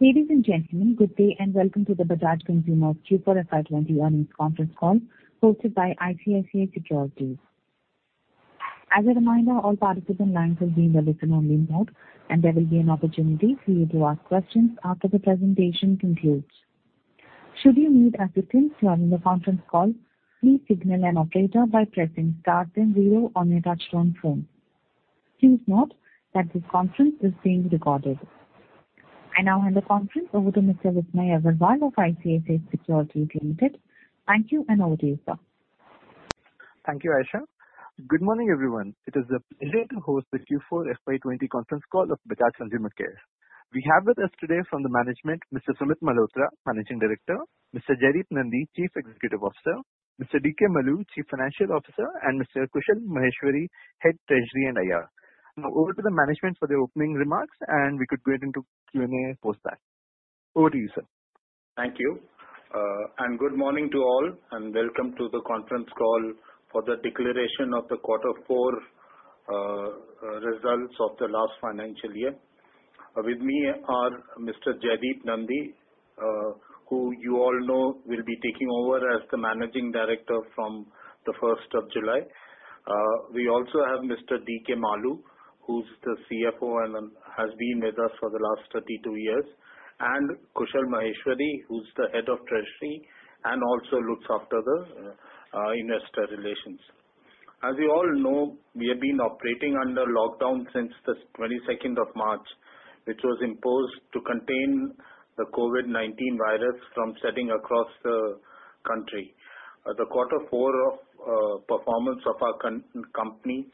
Ladies and gentlemen, good day and welcome to the Bajaj Consumer Care Q4 FY 2020 Earnings Conference Call hosted by ICICI Securities. As a reminder, all participant lines have been in listen only mode and there will be an opportunity for you to ask questions after the presentation concludes. Should you need assistance during the conference call, please signal an operator by pressing Star then Zero on your touchtone phone. Please note that this conference is being recorded. I now hand the conference over to Mr. Vishnu Vardhan of ICICI Securities Limited. Thank you and over to you, sir. Thank you, Aisha. Good morning, everyone. It is a pleasure to host the Q4 FY 2020 conference call of Bajaj Consumer Care. We have with us today from the management, Mr. Sumit Malhotra, Managing Director, Mr. Jaideep Nandi, Chief Executive Officer, Mr. D.K. Maloo, Chief Financial Officer, and Mr. Kushal Maheshwari, Head Treasury and IR. Now over to the management for the opening remarks and we could get into Q&A post that. Over to you, sir. Thank you. Good morning to all and welcome to the conference call for the declaration of the quarter four results of the last financial year. With me are Mr. Jaideep Nandi, who you all know will be taking over as the Managing Director from the 1st of July. We also have Mr. D.K. Maloo, who's the CFO and has been with us for the last 32 years, and Kushal Maheshwari, who's the Head of Treasury and also looks after the Investor Relations. As you all know, we have been operating under lockdown since the 22nd of March, which was imposed to contain the COVID-19 virus from spreading across the country. The quarter four performance of our company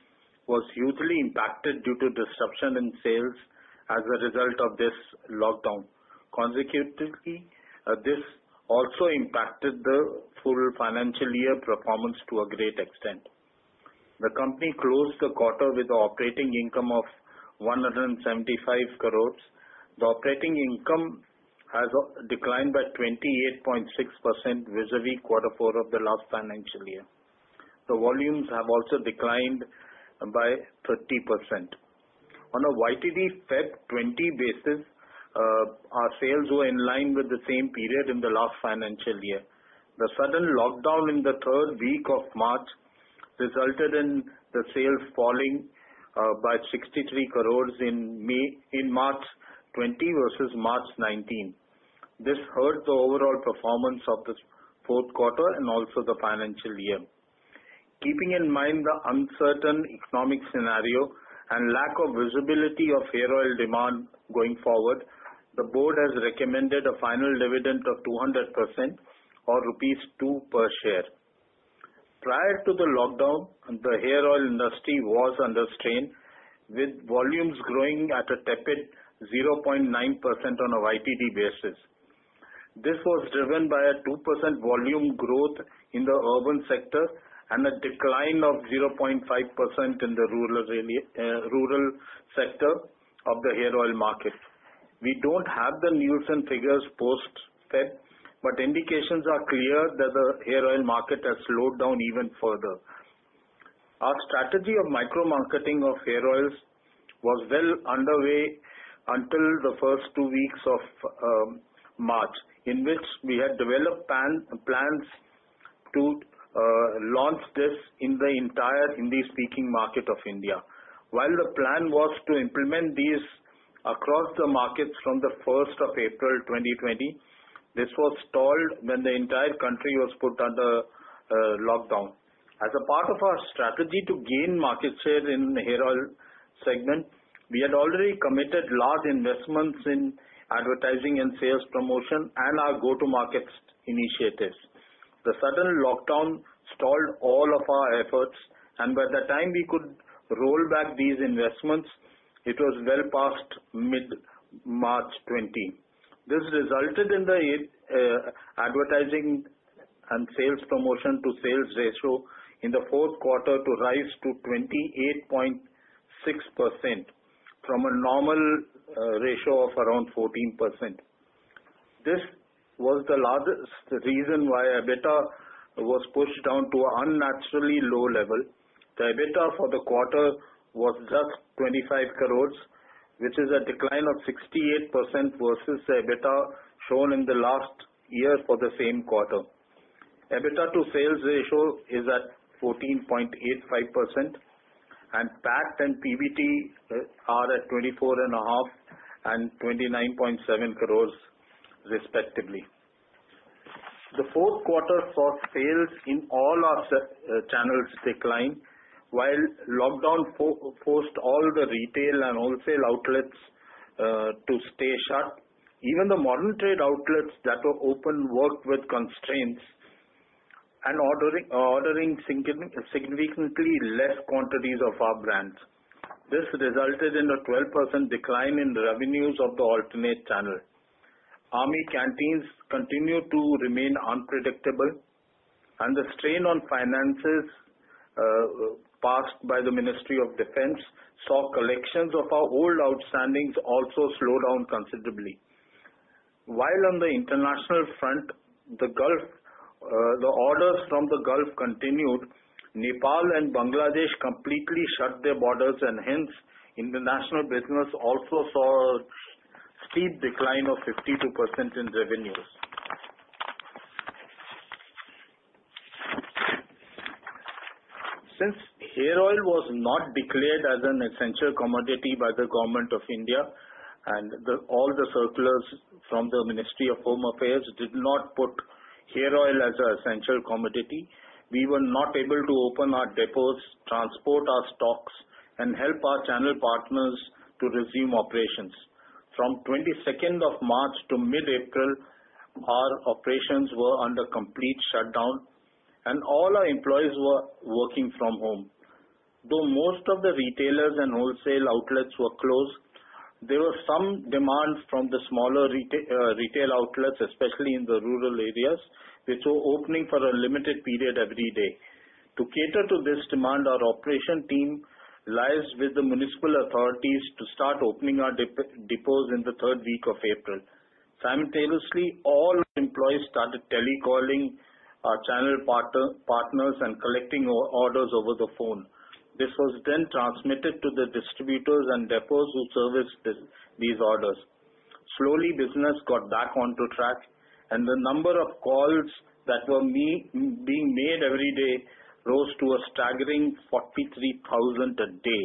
was hugely impacted due to disruption in sales as a result of this lockdown. Consecutively, this also impacted the full financial year performance to a great extent. The company closed the quarter with operating income of 175 crore. The operating income has declined by 28.6% vis-à-vis quarter four of the last financial year. The volumes have also declined by 30%. On a YTD February 2020 basis, our sales were in line with the same period in the last financial year. The sudden lockdown in the third week of March resulted in the sales falling by 63 crore in March 2020 versus March 2019. This hurt the overall performance of the fourth quarter and also the financial year. Keeping in mind the uncertain economic scenario and lack of visibility of hair oil demand going forward, the board has recommended a final dividend of 200% or rupees 2 per share. Prior to the lockdown, the hair oil industry was under strain, with volumes growing at a tepid 0.9% on a YTD basis. This was driven by a 2% volume growth in the urban sector and a decline of 0.5% in the rural sector of the hair oil market. We don't have the news and figures post-Feb, but indications are clear that the hair oil market has slowed down even further. Our strategy of micro-marketing of hair oils was well underway until the first two weeks of March, in which we had developed plans to launch this in the entire Hindi-speaking market of India. While the plan was to implement these across the markets from the 1st of April 2020, this was stalled when the entire country was put under lockdown. As a part of our strategy to gain market share in the hair oil segment, we had already committed large investments in advertising and sales promotion and our go-to-market initiatives. The sudden lockdown stalled all of our efforts and by the time we could roll back these investments, it was well past mid-March 2020. This resulted in the advertising and sales promotion to sales ratio in the fourth quarter to rise to 28.6% from a normal ratio of around 14%. This was the largest reason why EBITDA was pushed down to an unnaturally low level. The EBITDA for the quarter was just 25 crores, which is a decline of 68% versus the EBITDA shown in the last year for the same quarter. EBITDA to sales ratio is at 14.85%. PAT and PBT are at 24.5 crores and 29.7 crores respectively. The fourth quarter saw sales in all our channels decline. While lockdown forced all the retail and wholesale outlets to stay shut, even the modern trade outlets that were open worked with constraints and ordering significantly less quantities of our brands. This resulted in a 12% decline in revenues of the alternate channel. Army canteens continue to remain unpredictable and the strain on finances passed by the Ministry of Defence saw collections of our old outstandings also slow down considerably. While on the international front, the Gulf. The orders from the Gulf continued. Hence international business also saw a steep decline of 52% in revenues. Since hair oil was not declared as an essential commodity by the Government of India, and all the circulars from the Ministry of Home Affairs did not put hair oil as an essential commodity, we were not able to open our depots, transport our stocks, and help our channel partners to resume operations. From 22nd of March to mid-April, our operations were under complete shutdown, and all our employees were working from home. Though most of the retailers and wholesale outlets were closed, there was some demand from the smaller retail outlets, especially in the rural areas, which were opening for a limited period every day. To cater to this demand, our operation team liaised with the municipal authorities to start opening our depots in the third week of April. Simultaneously, all employees started telecalling our channel partners and collecting orders over the phone. This was transmitted to the distributors and depots who serviced these orders. Slowly, business got back onto track, and the number of calls that were being made every day rose to a staggering 43,000 a day.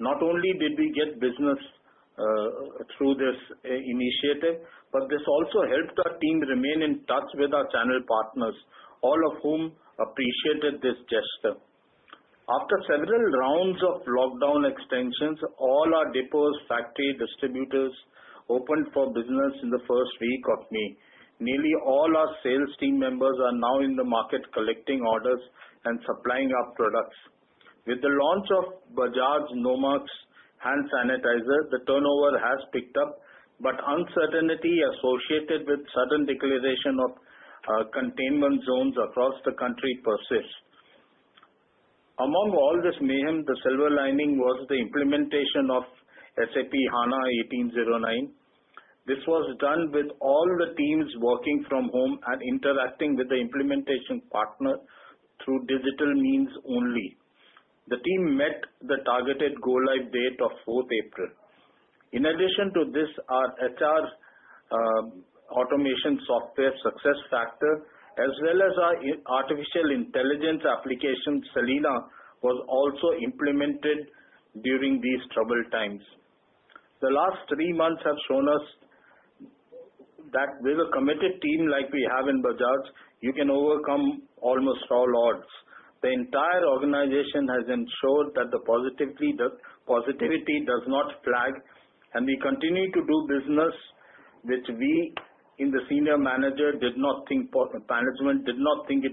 Not only did we get business through this initiative, but this also helped our team remain in touch with our channel partners, all of whom appreciated this gesture. After several rounds of lockdown extensions, all our depots, factory, distributors opened for business in the first week of May. Nearly all our sales team members are now in the market collecting orders and supplying our products. With the launch of Bajaj Nomarks Hand Sanitizer, the turnover has picked up, but uncertainty associated with sudden declaration of containment zones across the country persists. Among all this mayhem, the silver lining was the implementation of SAP S/4HANA 1809. This was done with all the teams working from home and interacting with the implementation partner through digital means only. The team met the targeted go-live date of 4th April. In addition to this, our HR automation software SAP SuccessFactors, as well as our artificial intelligence application, Selena, was also implemented during these troubled times. The last three months have shown us that with a committed team like we have in Bajaj, you can overcome almost all odds. The entire organization has ensured that the positivity does not flag, and we continue to do business, which we in the senior management did not think it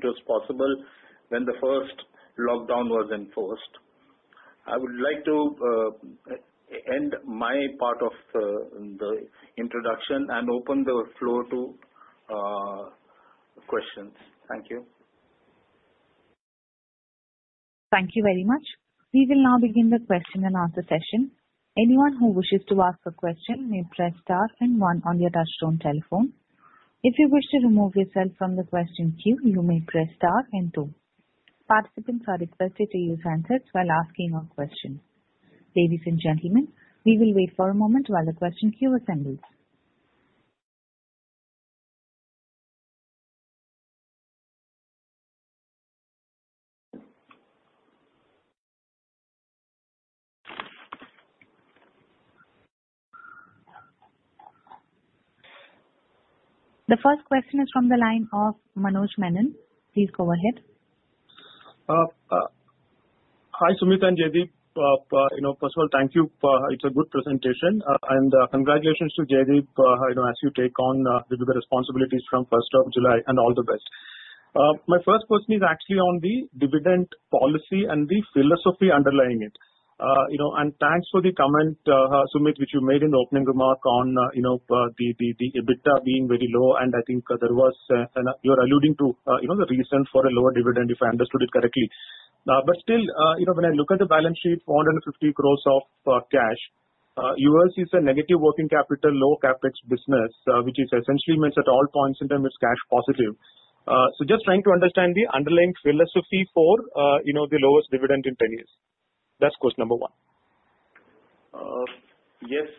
was possible when the first lockdown was enforced. I would like to end my part of the introduction and open the floor to questions. Thank you. Thank you very much. We will now begin the question-and-answer session. Anyone who wishes to ask a question may press star and one on your touch-tone telephone. If you wish to remove yourself from the question queue, you may press star and two. Participants are requested to use handsets while asking a question. Ladies and gentlemen, we will wait for a moment while the question queue assembles. The first question is from the line of Manoj Menon. Please go ahead. Hi, Sumit and Jaideep. First of all, thank you. It's a good presentation. Congratulations to Jaideep as you take on the responsibilities from 1st of July, and all the best. My first question is actually on the dividend policy and the philosophy underlying it. Thanks for the comment, Sumit, which you made in the opening remark on the EBITDA being very low, and I think you're alluding to the reason for a lower dividend, if I understood it correctly. Still, when I look at the balance sheet, 450 crores of cash, yours is a negative working capital, low CapEx business, which essentially means at all points in time it's cash positive. Just trying to understand the underlying philosophy for the lowest dividend in 10 years. That's question number one. Yes.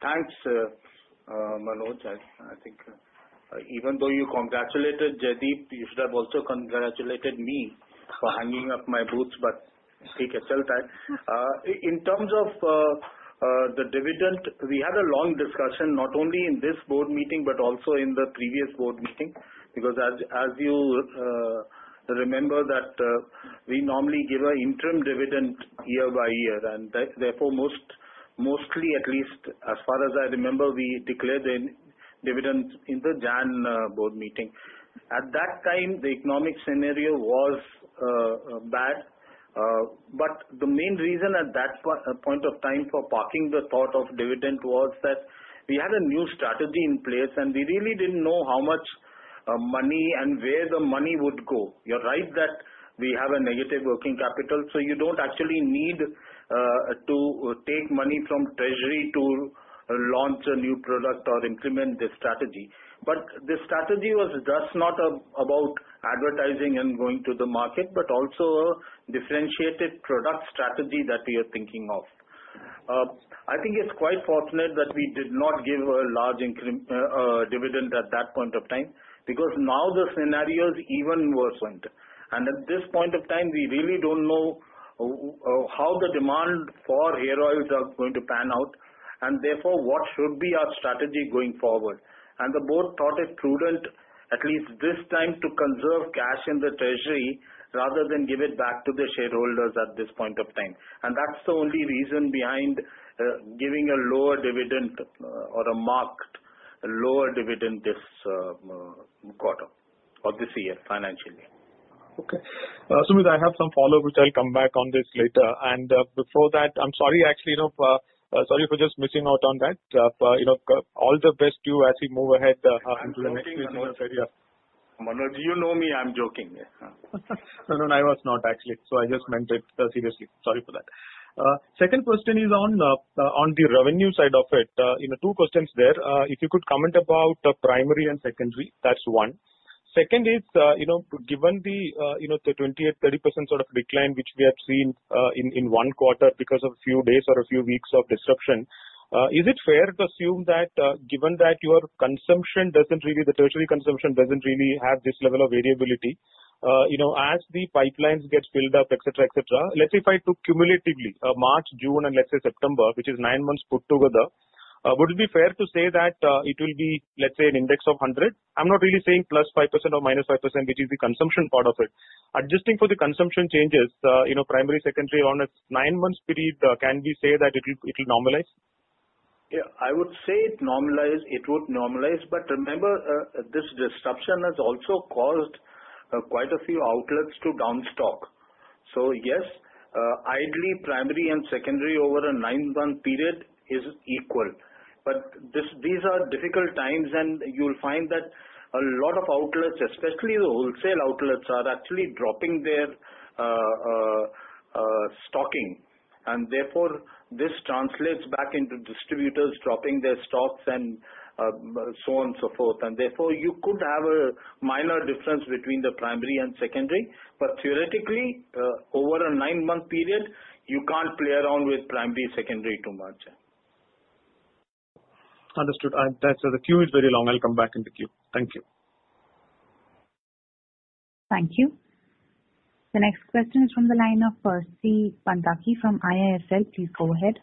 Thanks, Manoj. I think even though you congratulated Jaideep, you should have also congratulated me for hanging up my boots, but take a sell tag. In terms of the dividend, we had a long discussion, not only in this board meeting but also in the previous board meeting, because as you remember that we normally give an interim dividend year by year, and therefore mostly, at least as far as I remember, we declare the dividend in the January board meeting. At that time, the economic scenario was bad, but the main reason at that point of time for parking the thought of dividend was that we had a new strategy in place, and we really didn't know how much money and where the money would go. You're right that we have a negative working capital, so you don't actually need to take money from treasury to launch a new product or implement this strategy. This strategy was just not about advertising and going to the market, but also a differentiated product strategy that we are thinking of. I think it's quite fortunate that we did not give a large dividend at that point of time, because now the scenario is even worsened. At this point of time, we really don't know how the demand for hair oils are going to pan out, and therefore what should be our strategy going forward. The board thought it prudent, at least this time, to conserve cash in the treasury rather than give it back to the shareholders at this point of time. That's the only reason behind giving a lower dividend or a marked lower dividend this quarter or this year, financially. Okay. Sumit, I have some follow up. I will come back on this later. Before that, I am sorry, actually, for just missing out on that. All the best to you as we move ahead into. Manoj, you know me, I'm joking. No, I was not actually. I just meant it seriously. Sorry for that. Second question is on the revenue side of it. Two questions there. If you could comment about primary and secondary. That's one. Second is, given the 20%-30% sort of decline which we have seen in one quarter because of a few days or a few weeks of disruption, is it fair to assume that given that the tertiary consumption doesn't really have this level of variability as the pipelines get filled up, et cetera. Let's say if I took cumulatively March, June, and let's say September, which is nine months put together, would it be fair to say that it will be, let's say, an index of 100? I'm not really saying +5% or -5%, which is the consumption part of it. Adjusting for the consumption changes, primary, secondary on a nine-month period, can we say that it will normalize? Yeah, I would say it would normalize, but remember, this disruption has also caused quite a few outlets to down stock. Yes, ideally, primary and secondary over a nine-month period is equal. These are difficult times, and you'll find that a lot of outlets, especially the wholesale outlets, are actually dropping their stocking, and therefore this translates back into distributors dropping their stocks and so on and so forth. Therefore, you could have a minor difference between the primary and secondary. Theoretically, over a nine-month period, you can't play around with primary, secondary too much. Understood. The queue is very long. I'll come back in the queue. Thank you. Thank you. The next question is from the line of Percy Panthaki from IIFL. Please go ahead.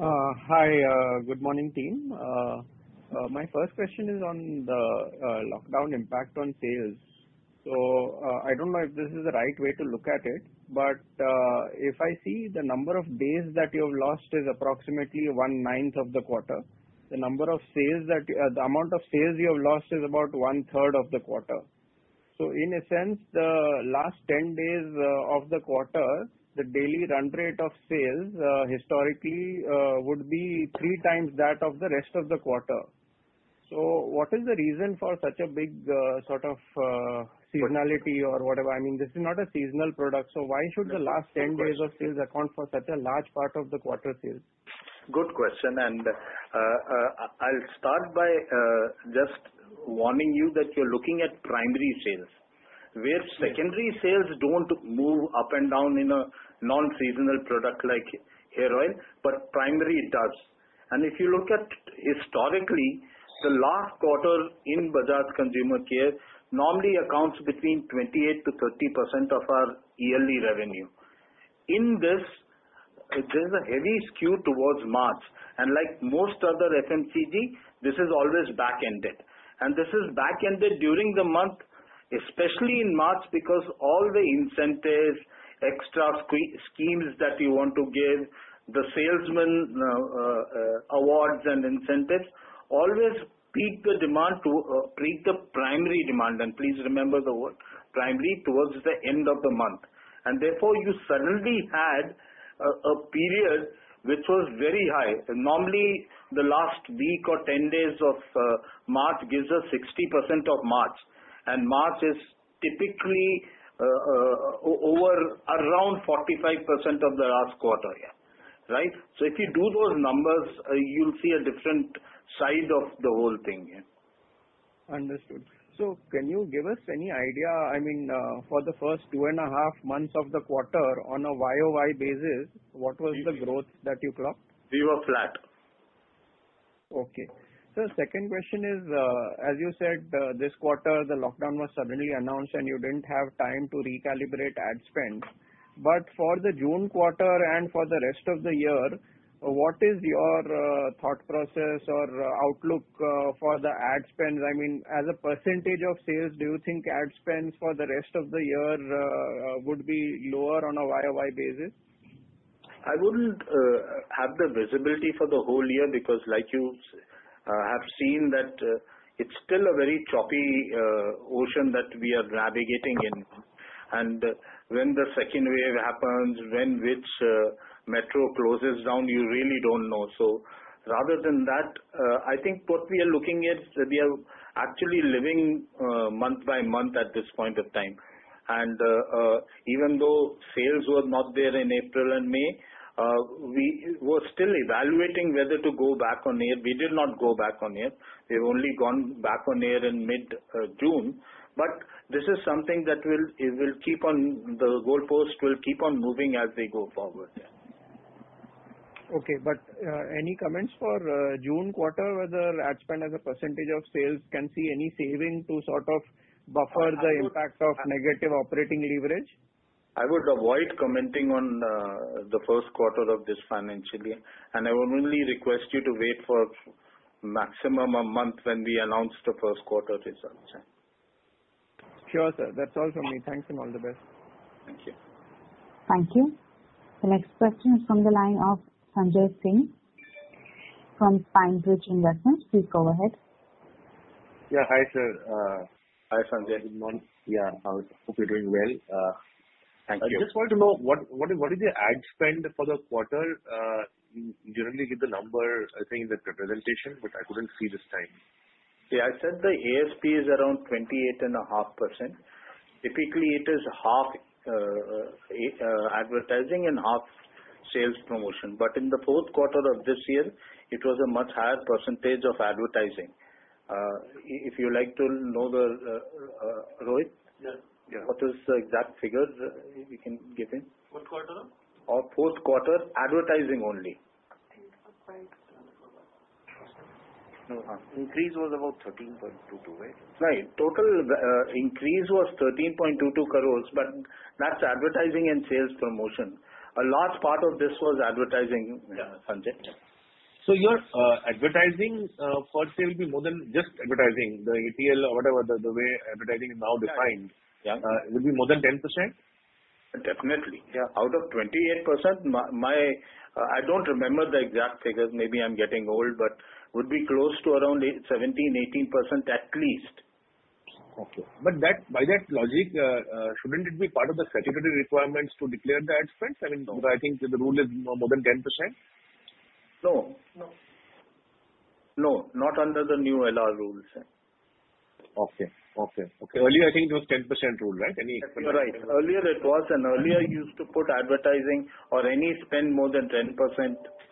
Hi. Good morning, team. My first question is on the lockdown impact on sales. I don't know if this is the right way to look at it, but if I see the number of days that you have lost is approximately one ninth of the quarter. The amount of sales you have lost is about one third of the quarter. In a sense, the last 10 days of the quarter, the daily run rate of sales historically would be three times that of the rest of the quarter. What is the reason for such a big sort of seasonality or whatever? I mean, this is not a seasonal product, so why should the last 10 days of sales account for such a large part of the quarter sales? Good question, I'll start by just warning you that you're looking at primary sales, where secondary sales don't move up and down in a non-seasonal product like hair oil, but primary does. If you look at historically, the last quarter in Bajaj Consumer Care normally accounts between 28%-30% of our yearly revenue. In this, there's a heavy skew towards March, and like most other FMCG, this is always back-ended. This is back-ended during the month, especially in March, because all the incentives, extra schemes that you want to give the salesmen, awards and incentives, always peak the primary demand, and please remember the word primary, towards the end of the month. Therefore, you suddenly had a period which was very high. Normally, the last week or 10 days of March gives us 60% of March, and March is typically around 45% of the last quarter. If you do those numbers, you'll see a different side of the whole thing. Understood. Can you give us any idea, for the first two and a half months of the quarter on a YoY basis, what was the growth that you clocked? We were flat. Okay. Sir, second question is, as you said, this quarter, the lockdown was suddenly announced and you didn't have time to recalibrate ad spend. For the June quarter and for the rest of the year, what is your thought process or outlook for the ad spend? I mean, as a percentage of sales, do you think ad spend for the rest of the year would be lower on a YoY basis? I wouldn't have the visibility for the whole year because like you have seen that it's still a very choppy ocean that we are navigating in. When the second wave happens, when which metro closes down, you really don't know. Rather than that, I think what we are looking at, we are actually living month by month at this point of time. Even though sales were not there in April and May, we were still evaluating whether to go back on air. We did not go back on air. We've only gone back on air in mid-June. This is something that the goal post will keep on moving as we go forward. Any comments for June quarter, whether ad spend as a percentage of sales can see any saving to buffer the impact of negative operating leverage? I would avoid commenting on the first quarter of this financially. I would only request you to wait for maximum a month when we announce the first quarter results. Sure, sir. That's all from me. Thank you. All the best. Thank you. Thank you. The next question is from the line of Sanjay Singh from PineBridge Investments. Please go ahead. Yeah. Hi, sir. Hi, Sanjay. Good morning. Yeah. Hope you're doing well. Thank you. I just want to know, what is the ad spend for the quarter? You normally give the number, I think, in the presentation, but I couldn't see this time. See, I said the ASP is around 28.5%. Typically, it is half advertising and half sales promotion. In the fourth quarter of this year, it was a much higher percentage of advertising. If you like to know the, Rohit? Yeah. What is the exact figures you can give him? Fourth quarter? Of fourth quarter, advertising only. Increase was about 13.22 crore, right? Right. Total increase was 13.22 crores, but that's advertising and sales promotion. A large part of this was advertising. Sanjay. Your advertising for sales will be more than just advertising, the ATL or whatever, the way advertising is now defined. Yeah. Will be more than 10%? Definitely. Yeah. Out of 28%, I don't remember the exact figures. Maybe I'm getting old, but would be close to around 17%, 18% at least. Okay. By that logic, shouldn't it be part of the statutory requirements to declare the ad spend? I think the rule is no more than 10%. No. No. No, not under the new LR rules. Okay. Earlier, I think it was 10% rule, right? You're right. Earlier it was, and earlier you used to put advertising or any spend more than 10%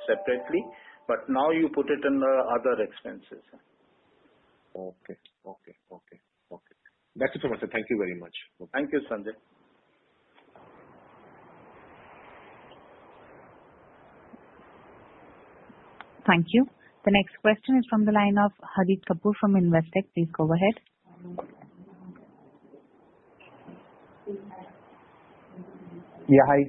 separately, but now you put it in the other expenses. Okay. That's it from my side. Thank you very much. Thank you, Sanjay. Thank you. The next question is from the line of Harit Kapoor from Investec. Please go ahead. Yeah, hi.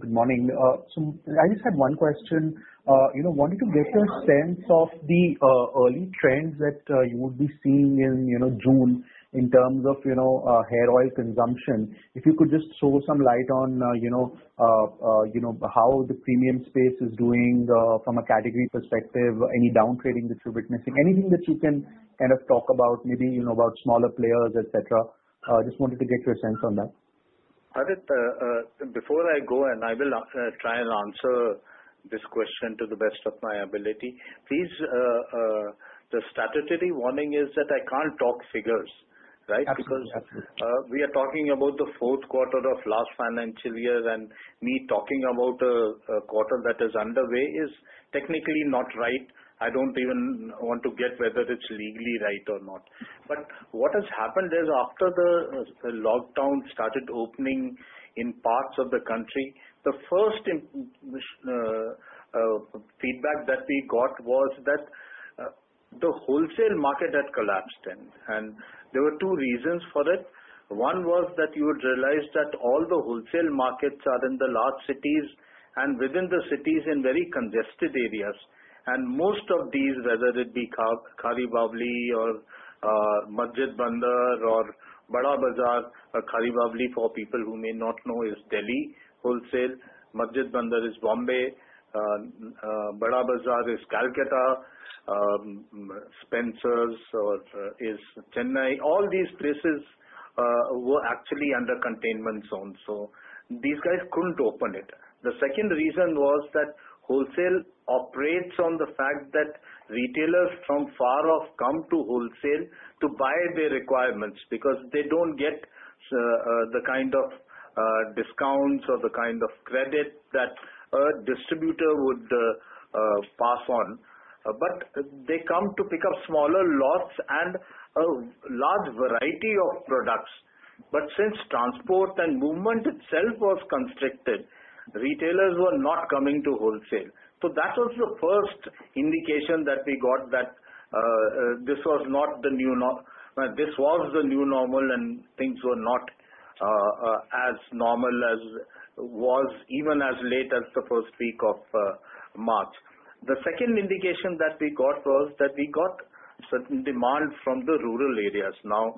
Good morning. I just had one question. Wanted to get a sense of the early trends that you would be seeing in June in terms of hair oil consumption. If you could just throw some light on how the premium space is doing from a category perspective, any down trading that you're witnessing, anything that you can kind of talk about, maybe about smaller players, et cetera. I just wanted to get your sense on that. Harit, before I go, I will try and answer this question to the best of my ability. Please, the statutory warning is that I can't talk figures, right? Absolutely. We are talking about the fourth quarter of last financial year, and me talking about a quarter that is underway is technically not right. I don't even want to get whether it's legally right or not. What has happened is, after the lockdown started opening in parts of the country, the first feedback that we got was that the wholesale market had collapsed then. There were two reasons for that. One was that you would realize that all the wholesale markets are in the large cities and within the cities in very congested areas. Most of these, whether it be Khari Baoli or Masjid Bunder or Bara Bazar. Khari Baoli, for people who may not know, is Delhi wholesale. Masjid Bunder is Bombay. Bara Bazar is Calcutta. Spencer's is Chennai. All these places were actually under containment zone, so these guys couldn't open it. The second reason was that wholesale operates on the fact that retailers from far off come to wholesale to buy their requirements because they don't get the kind of discounts or the kind of credit that a distributor would pass on. They come to pick up smaller lots and a large variety of products. Since transport and movement itself was constricted, retailers were not coming to wholesale. That was the first indication that we got that this was the new normal, and things were not as normal as was even as late as the first week of March. The second indication that we got was that we got certain demand from the rural areas. Now,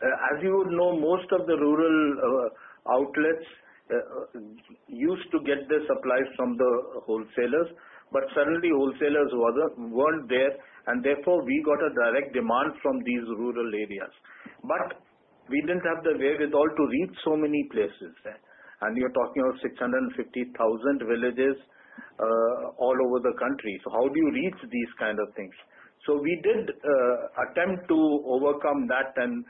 as you would know, most of the rural outlets used to get their supplies from the wholesalers, but suddenly wholesalers weren't there, and therefore we got a direct demand from these rural areas. We didn't have the wherewithal to reach so many places there. We are talking of 650,000 villages all over the country. How do you reach these kind of things? We did attempt to overcome that, and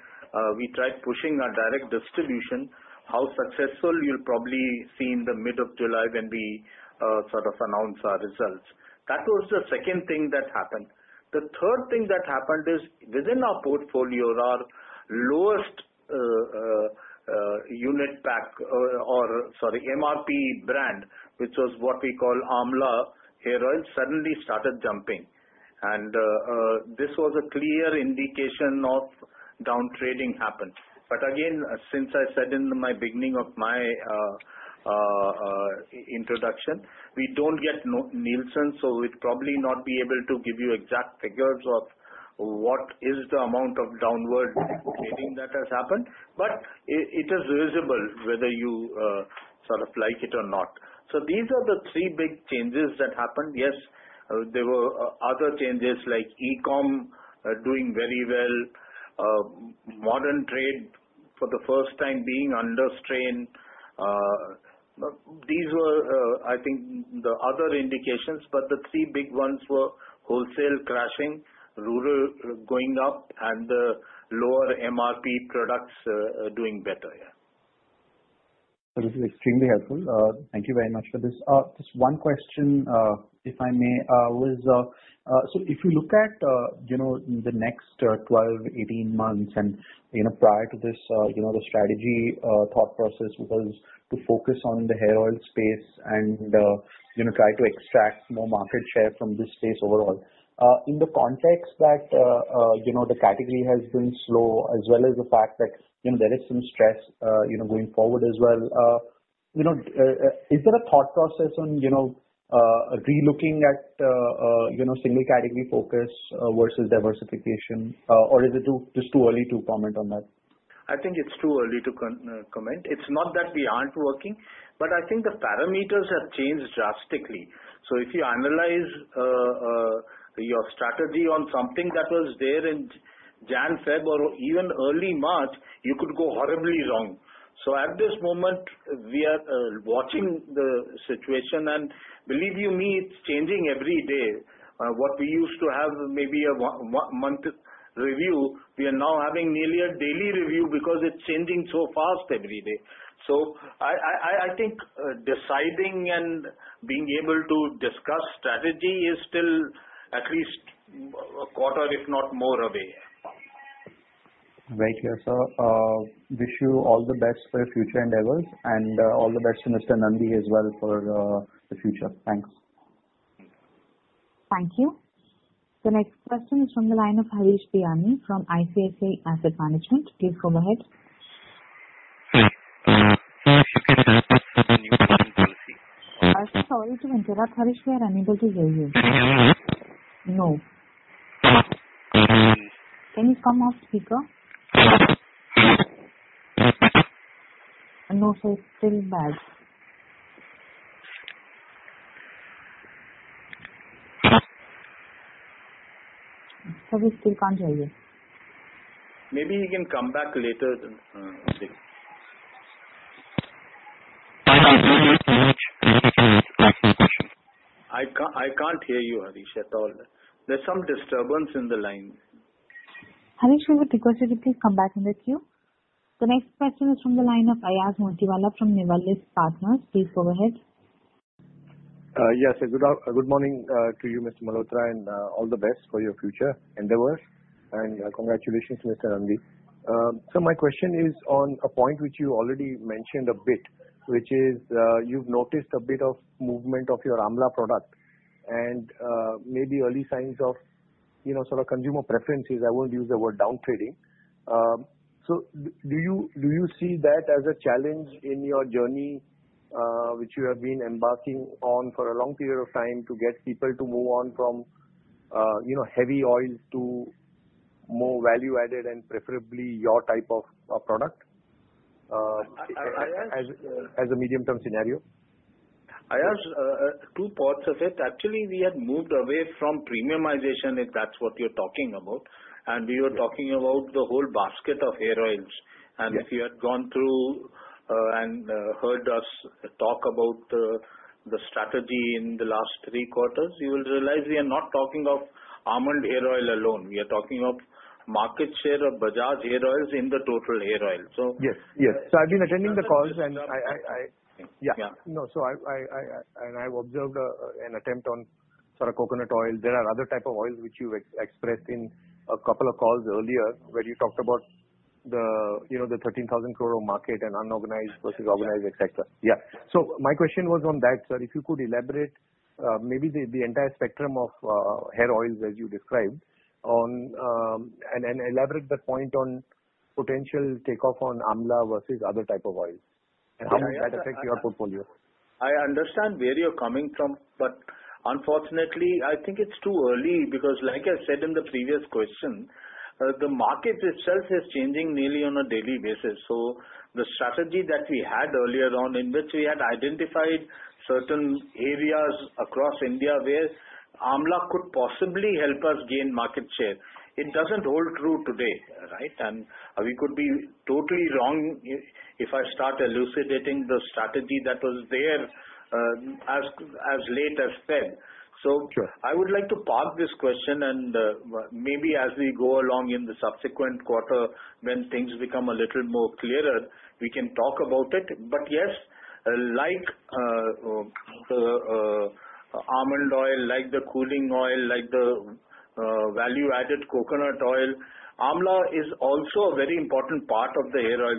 we tried pushing our direct distribution. How successful, you'll probably see in the middle of July when we announce our results. That was the second thing that happened. The third thing that happened is within our portfolio, our lowest MRP brand, which was what we call Amla hair oil, suddenly started jumping. This was a clear indication of downtrading happened. Again, since I said in my beginning of my introduction, we don't get Nielsen, so we'd probably not be able to give you exact figures of what is the amount of downward trading that has happened. It is visible whether you like it or not. These are the three big changes that happened. Yes, there were other changes like e-com doing very well, modern trade for the first time being under strain. These were, I think, the other indications, but the three big ones were wholesale crashing, rural going up, and lower MRP products doing better, yeah. This is extremely helpful. Thank you very much for this. Just one question, if I may. If you look at the next 12, 18 months and prior to this, the strategy thought process was to focus on the hair oil space and try to extract more market share from this space overall. In the context that the category has been slow as well as the fact that there is some stress going forward as well, is there a thought process on relooking at single category focus versus diversification, or is it just too early to comment on that? I think it's too early to comment. It's not that we aren't working, but I think the parameters have changed drastically. If you analyze your strategy on something that was there in Jan, Feb, or even early March, you could go horribly wrong. At this moment, we are watching the situation, and believe you me, it's changing every day. What we used to have maybe a month review, we are now having nearly a daily review because it's changing so fast every day. I think deciding and being able to discuss strategy is still at least a quarter, if not more away. Very clear, sir. Wish you all the best for your future endeavors, and all the best to Mr. Nandi as well for the future. Thanks. Thank you. The next question is from the line of Harish Bihani from ICICI Asset Management. Please go ahead. I'm so sorry to interrupt, Harish. We are unable to hear you. No. Can you come off speaker? No, sir. It's still bad. Sir, we still can't hear you. Maybe he can come back later. I can't hear you, Harish, at all. There's some disturbance in the line. Harish, we would request you to please come back when we cue. The next question is from the line of Ayaz Motiwala from Nivalis Partners. Please go ahead. Yes, sir. Good morning to you, Mr. Malhotra, all the best for your future endeavors. Congratulations, Mr. Nandi. Sir, my question is on a point which you already mentioned a bit, which is you've noticed a bit of movement of your Amla product and maybe early signs of consumer preferences. I won't use the word downtrading. Do you see that as a challenge in your journey, which you have been embarking on for a long period of time to get people to move on from heavy oils to more value-added and preferably your type of product as a medium-term scenario? Ayaz, two parts of it. Actually, we had moved away from premiumization, if that's what you're talking about. We were talking about the whole basket of hair oils. If you had gone through and heard us talk about the strategy in the last three quarters, you will realize we are not talking of Amla hair oil alone. We are talking of market share of Bajaj hair oils in the total hair oil. Yes. I've been attending the calls and I've observed an attempt on coconut oil. There are other type of oils which you expressed in a couple of calls earlier where you talked about the 13,000 crore market and unorganized versus organized, et cetera. Yeah. My question was on that, sir. If you could elaborate maybe the entire spectrum of hair oils as you described and elaborate the point on potential takeoff on Amla versus other type of oils, and how might that affect your portfolio? I understand where you're coming from, but unfortunately, I think it's too early because like I said in the previous question, the market itself is changing nearly on a daily basis. The strategy that we had earlier on, in which we had identified certain areas across India where Amla could possibly help us gain market share, it doesn't hold true today, right? We could be totally wrong if I start elucidating the strategy that was there as late as February. Sure. I would like to park this question and maybe as we go along in the subsequent quarter, when things become a little more clearer, we can talk about it. Yes, like almond oil, like the cooling oil, like the value-added coconut oil, Amla is also a very important part of the hair oil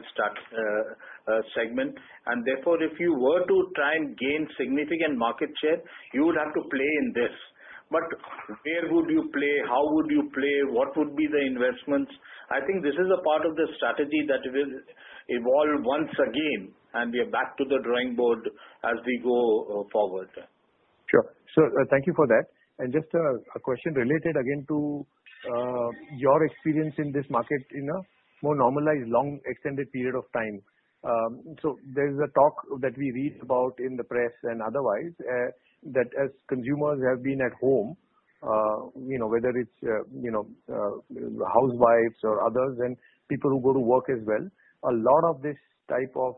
segment and therefore, if you were to try and gain significant market share, you would have to play in this. Where would you play? How would you play? What would be the investments? I think this is a part of the strategy that will evolve once again, and we are back to the drawing board as we go forward. Sure. Thank you for that. Just a question related again to your experience in this market in a more normalized, long, extended period of time. There's a talk that we read about in the press and otherwise, that as consumers have been at home, whether it's housewives or others and people who go to work as well, a lot of this type of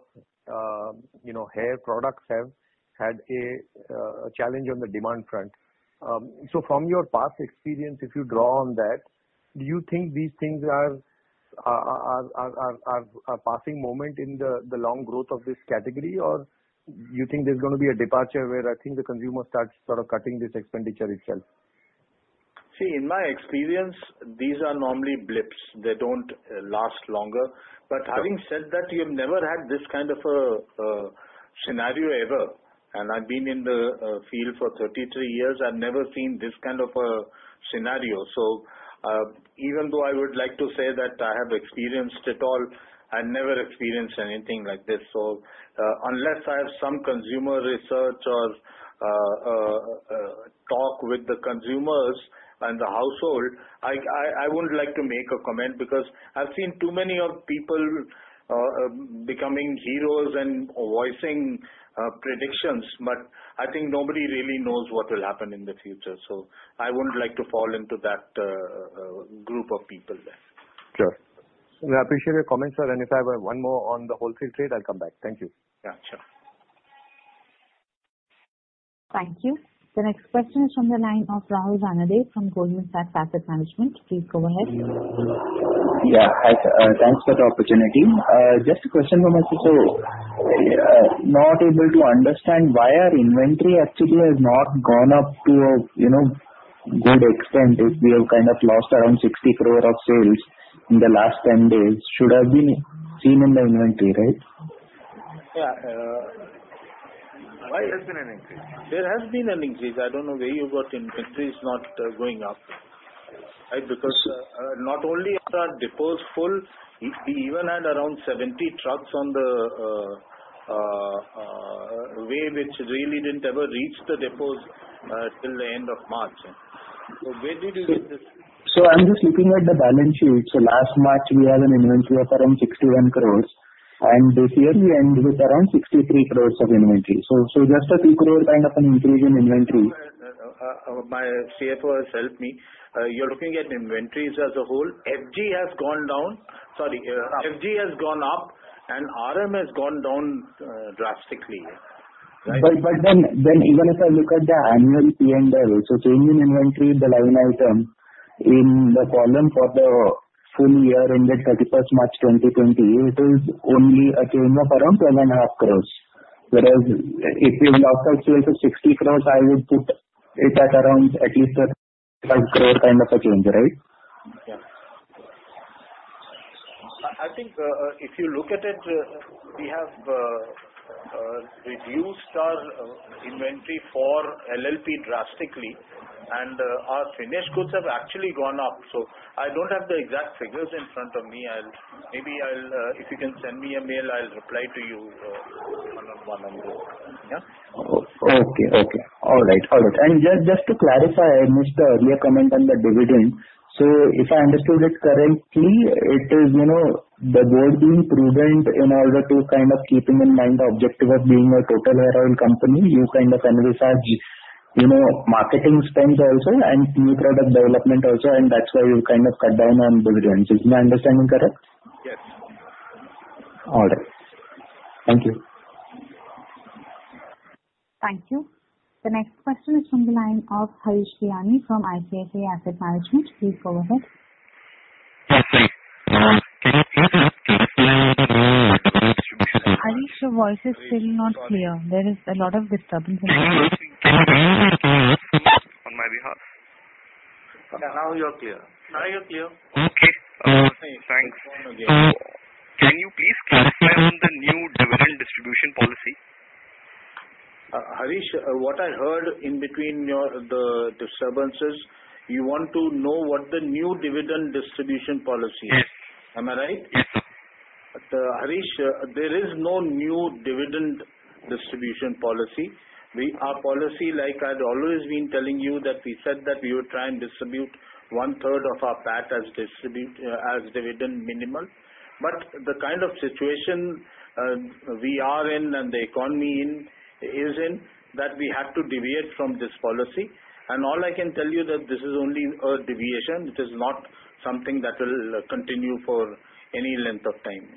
hair products have had a challenge on the demand front. From your past experience, if you draw on that, do you think these things are a passing moment in the long growth of this category, or do you think there's going to be a departure where I think the consumer starts sort of cutting this expenditure itself? In my experience, these are normally blips. They don't last longer. Having said that, you've never had this kind of a scenario ever. I've been in the field for 33 years. I've never seen this kind of a scenario. Even though I would like to say that I have experienced it all, I've never experienced anything like this. Unless I have some consumer research or talk with the consumers and the household, I wouldn't like to make a comment because I've seen too many people becoming heroes and voicing predictions. I think nobody really knows what will happen in the future, so I wouldn't like to fall into that group of people there. Sure. I appreciate your comments, sir. If I have one more on the wholesale trade, I'll come back. Thank you. Yeah, sure. Thank you. The next question is from the line of Rahul Balani from Goldman Sachs Asset Management. Please go ahead. Yeah. Thanks for the opportunity. Just a question, not able to understand why our inventory actually has not gone up to a good extent if we have kind of lost around 60 crore of sales in the last 10 days. Should have been seen in the inventory, right? Yeah. There has been an increase. I don't know where you got inventory is not going up. Not only are our depots full, we even had around 70 trucks on the way, which really didn't ever reach the depots till the end of March. Where did you get this? I'm just looking at the balance sheet. Last March, we had an inventory of around 61 crore, and this year we end with around 63 crore of inventory. Just a 3 crore kind of an increase in inventory. My CFO has helped me. You are looking at inventories as a whole. FG has gone up and RM has gone down drastically. Even if I look at the annual P&L, change in inventory, the line item in the column for the full year ended 31st March 2020, it is only a change of around two and a half crores. Whereas if you lost sales of 60 crores, I would put it at around at least an 5 crore kind of a change, right? Yeah. I think, if you look at it, we have reduced our inventory for LLP drastically and our finished goods have actually gone up. I don't have the exact figures in front of me. Maybe if you can send me a mail, I'll reply to you one on one. Yeah? Okay. All right. Just to clarify, I missed the earlier comment on the dividend. If I understood it correctly, it is the board being prudent in order to keeping in mind the objective of being a total hair oil company, you emphasize marketing spend also and new product development also, and that's why you cut down on dividends. Is my understanding correct? Yes. All right. Thank you. Thank you. The next question is from the line of Harish Bihani from ICICI Asset Management. Please go ahead. Harish, your voice is still not clear. There is a lot of disturbance on my end. On my behalf. Now you're clear. Now you're clear. Okay. Thanks. Can you please clarify on the new dividend distribution policy? Harish, what I heard in between the disturbances, you want to know what the new dividend distribution policy is. Am I right? Harish, there is no new dividend distribution policy. Our policy, like I'd always been telling you that we said that we would try and distribute one-third of our PAT as dividend minimal. The kind of situation we are in and the economy is in, that we have to deviate from this policy. All I can tell you that this is only a deviation. It is not something that will continue for any length of time.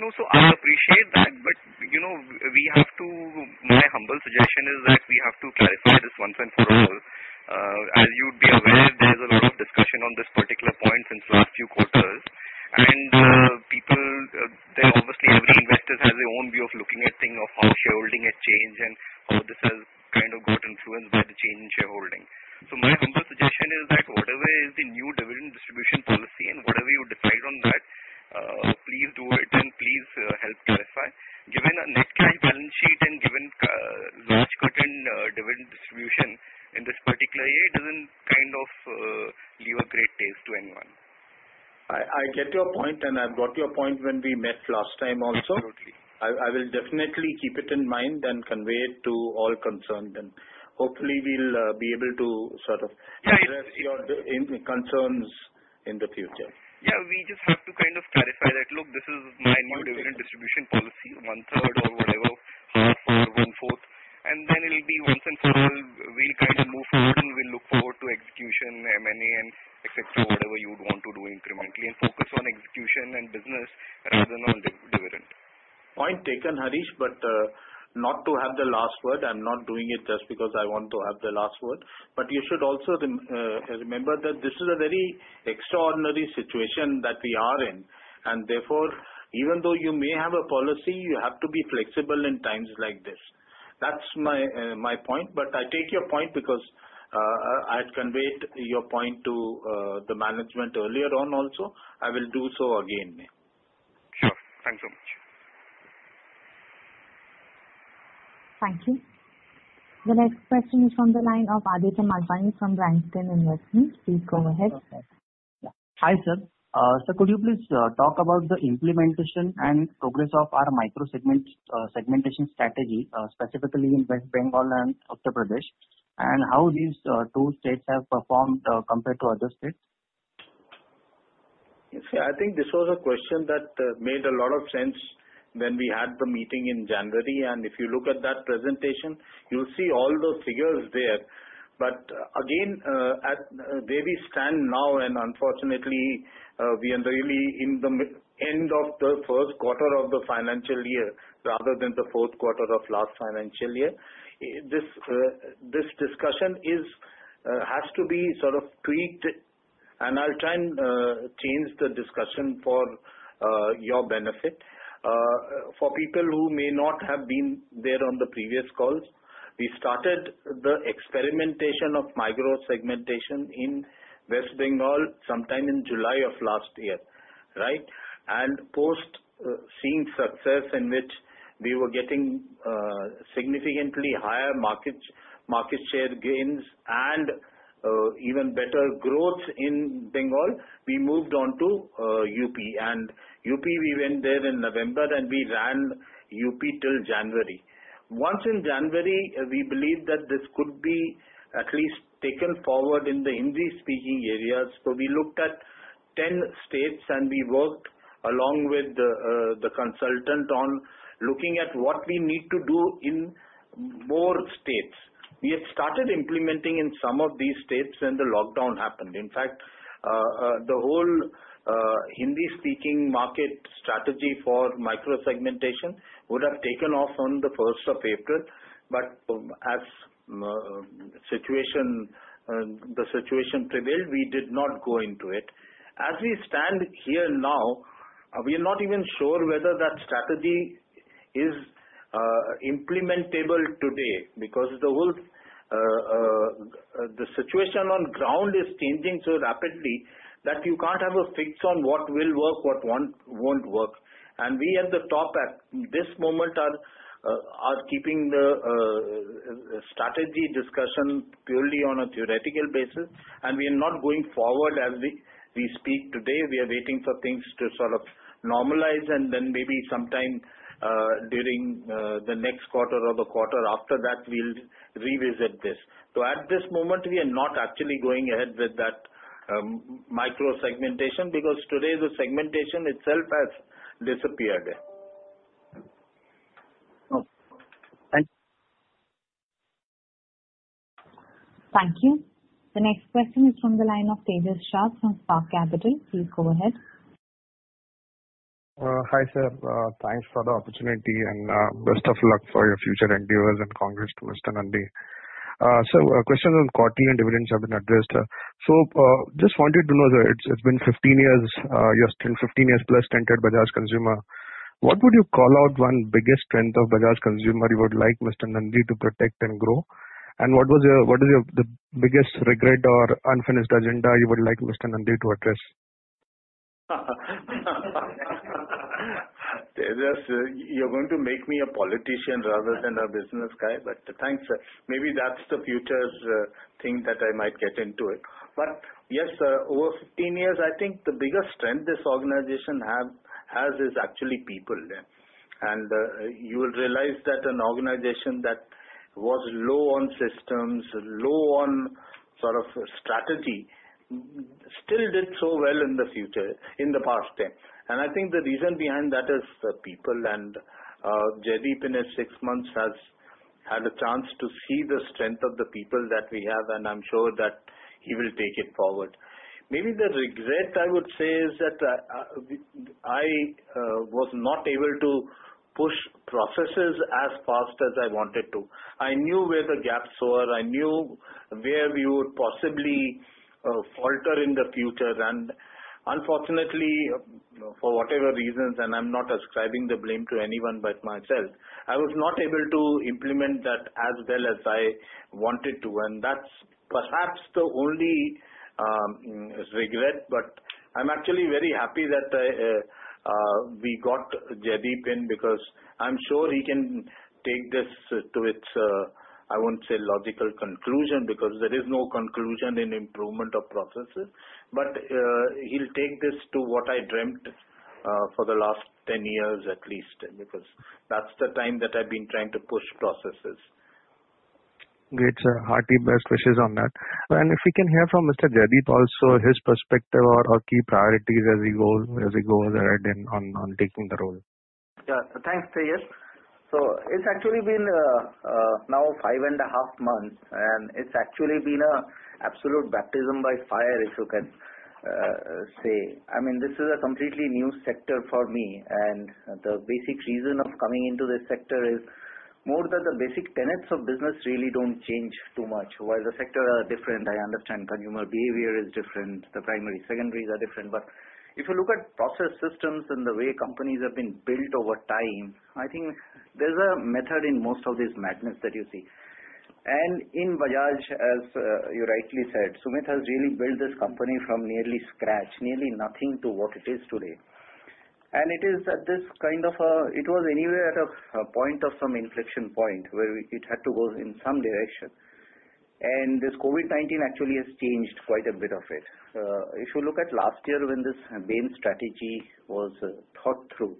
No, sir, I appreciate that. My humble suggestion is that we have to clarify this once and for all. As you'd be aware, there's a lot of discussion on this particular point since last few quarters. Obviously every investor has their own way of looking at thing of how shareholding has changed and how this has got influenced by the change in shareholding. My humble suggestion is that whatever is the new dividend distribution policy and whatever you decide on that, please do it and please help clarify. Given a net debt balance sheet and given large dividend distribution in this particular year, it doesn't leave a great taste to anyone. I get your point and I've got your point when we met last time also. Absolutely. I will definitely keep it in mind and convey it to all concerned and hopefully we'll be able to address your concerns in the future. Yeah. We just have to clarify that, look, this is my new dividend distribution policy, one-third or whatever, or one-fourth, and then it'll be once and for all. We'll move forward and we'll look forward to execution, M&A and et cetera, whatever you would want to do incrementally and focus on execution and business rather than on dividend. Point taken, Harish, not to have the last word. I'm not doing it just because I want to have the last word. You should also remember that this is a very extraordinary situation that we are in, and therefore, even though you may have a policy, you have to be flexible in times like this. That's my point. I take your point because I had conveyed your point to the management earlier on also. I will do so again. Sure. Thanks so much. Thank you. The next question is on the line of [Aditya Madbani] from Franklin Investments. Please go ahead. Hi, sir. Sir, could you please talk about the implementation and progress of our micro segmentation strategy, specifically in West Bengal and Uttar Pradesh, and how these two states have performed compared to other states? I think this was a question that made a lot of sense when we had the meeting in January. If you look at that presentation, you'll see all those figures there. Again, where we stand now, unfortunately, we are really in the end of the first quarter of the financial year rather than the fourth quarter of last financial year. This discussion has to be sort of tweaked. I'll try and change the discussion for your benefit. For people who may not have been there on the previous calls, we started the experimentation of micro segmentation in West Bengal sometime in July of last year. Right? Post seeing success in which we were getting significantly higher market share gains and even better growth in Bengal, we moved on to UP. UP, we went there in November and we ran UP till January. Once in January, we believed that this could be at least taken forward in the Hindi-speaking areas. We looked at 10 states and we worked along with the consultant on looking at what we need to do in more states. We had started implementing in some of these states when the lockdown happened. In fact, the whole Hindi-speaking market strategy for micro segmentation would have taken off on the 1st of April, as the situation prevailed, we did not go into it. As we stand here now, we are not even sure whether that strategy is implementable today because the situation on ground is changing so rapidly that you can't have a fix on what will work, what won't work. We at the top at this moment are keeping the strategy discussion purely on a theoretical basis and we are not going forward as we speak today. We are waiting for things to normalize and then maybe sometime during the next quarter or the quarter after that, we'll revisit this. At this moment, we are not actually going ahead with that micro segmentation because today the segmentation itself has disappeared. Okay. Thank you. Thank you. The next question is from the line of Tejas Shah from Spark Capital. Please go ahead. Hi, sir. Thanks for the opportunity and best of luck for your future endeavors and congrats to Mr. Nandi. Sir, question on quarterly and dividends have been addressed. Just wanted to know, sir, it's been 15 years. You are still 15 years plus tenured Bajaj Consumer. What would you call out one biggest strength of Bajaj Consumer you would like Mr. Nandi to protect and grow? What is your biggest regret or unfinished agenda you would like Mr. Nandi to address? Yes. You're going to make me a politician rather than a business guy. Thanks. Maybe that's the future thing that I might get into it. Yes, over 15 years, I think the biggest strength this organization has is actually people. You will realize that an organization that was low on systems, low on strategy, still did so well in the past time. I think the reason behind that is the people. Jaideep, in his six months, has had a chance to see the strength of the people that we have, and I'm sure that he will take it forward. Maybe the regret, I would say, is that I was not able to push processes as fast as I wanted to. I knew where the gaps were. I knew where we would possibly falter in the future, and unfortunately, for whatever reasons, and I'm not ascribing the blame to anyone but myself, I was not able to implement that as well as I wanted to, and that's perhaps the only regret. I'm actually very happy that we got Jaideep in because I'm sure he can take this to its, I won't say logical conclusion, because there is no conclusion in improvement of processes. He'll take this to what I dreamt for the last 10 years at least, because that's the time that I've been trying to push processes. Great, sir. Hearty best wishes on that. If we can hear from Mr. Jaideep also, his perspective or key priorities as he goes ahead on taking the role. Thanks, Tejas. It's actually been now five and a half months, and it's actually been a absolute baptism by fire, if you can say. This is a completely new sector for me, and the basic reason of coming into this sector is more that the basic tenets of business really don't change too much. While the sectors are different, I understand consumer behavior is different. The primaries, secondaries are different. If you look at process systems and the way companies have been built over time, I think there's a method in most of this madness that you see. In Bajaj, as you rightly said, Sumit has really built this company from nearly scratch, nearly nothing to what it is today. It was anywhere at a point of some inflection point where it had to go in some direction. This COVID-19 actually has changed quite a bit of it. If you look at last year when this Bain strategy was thought through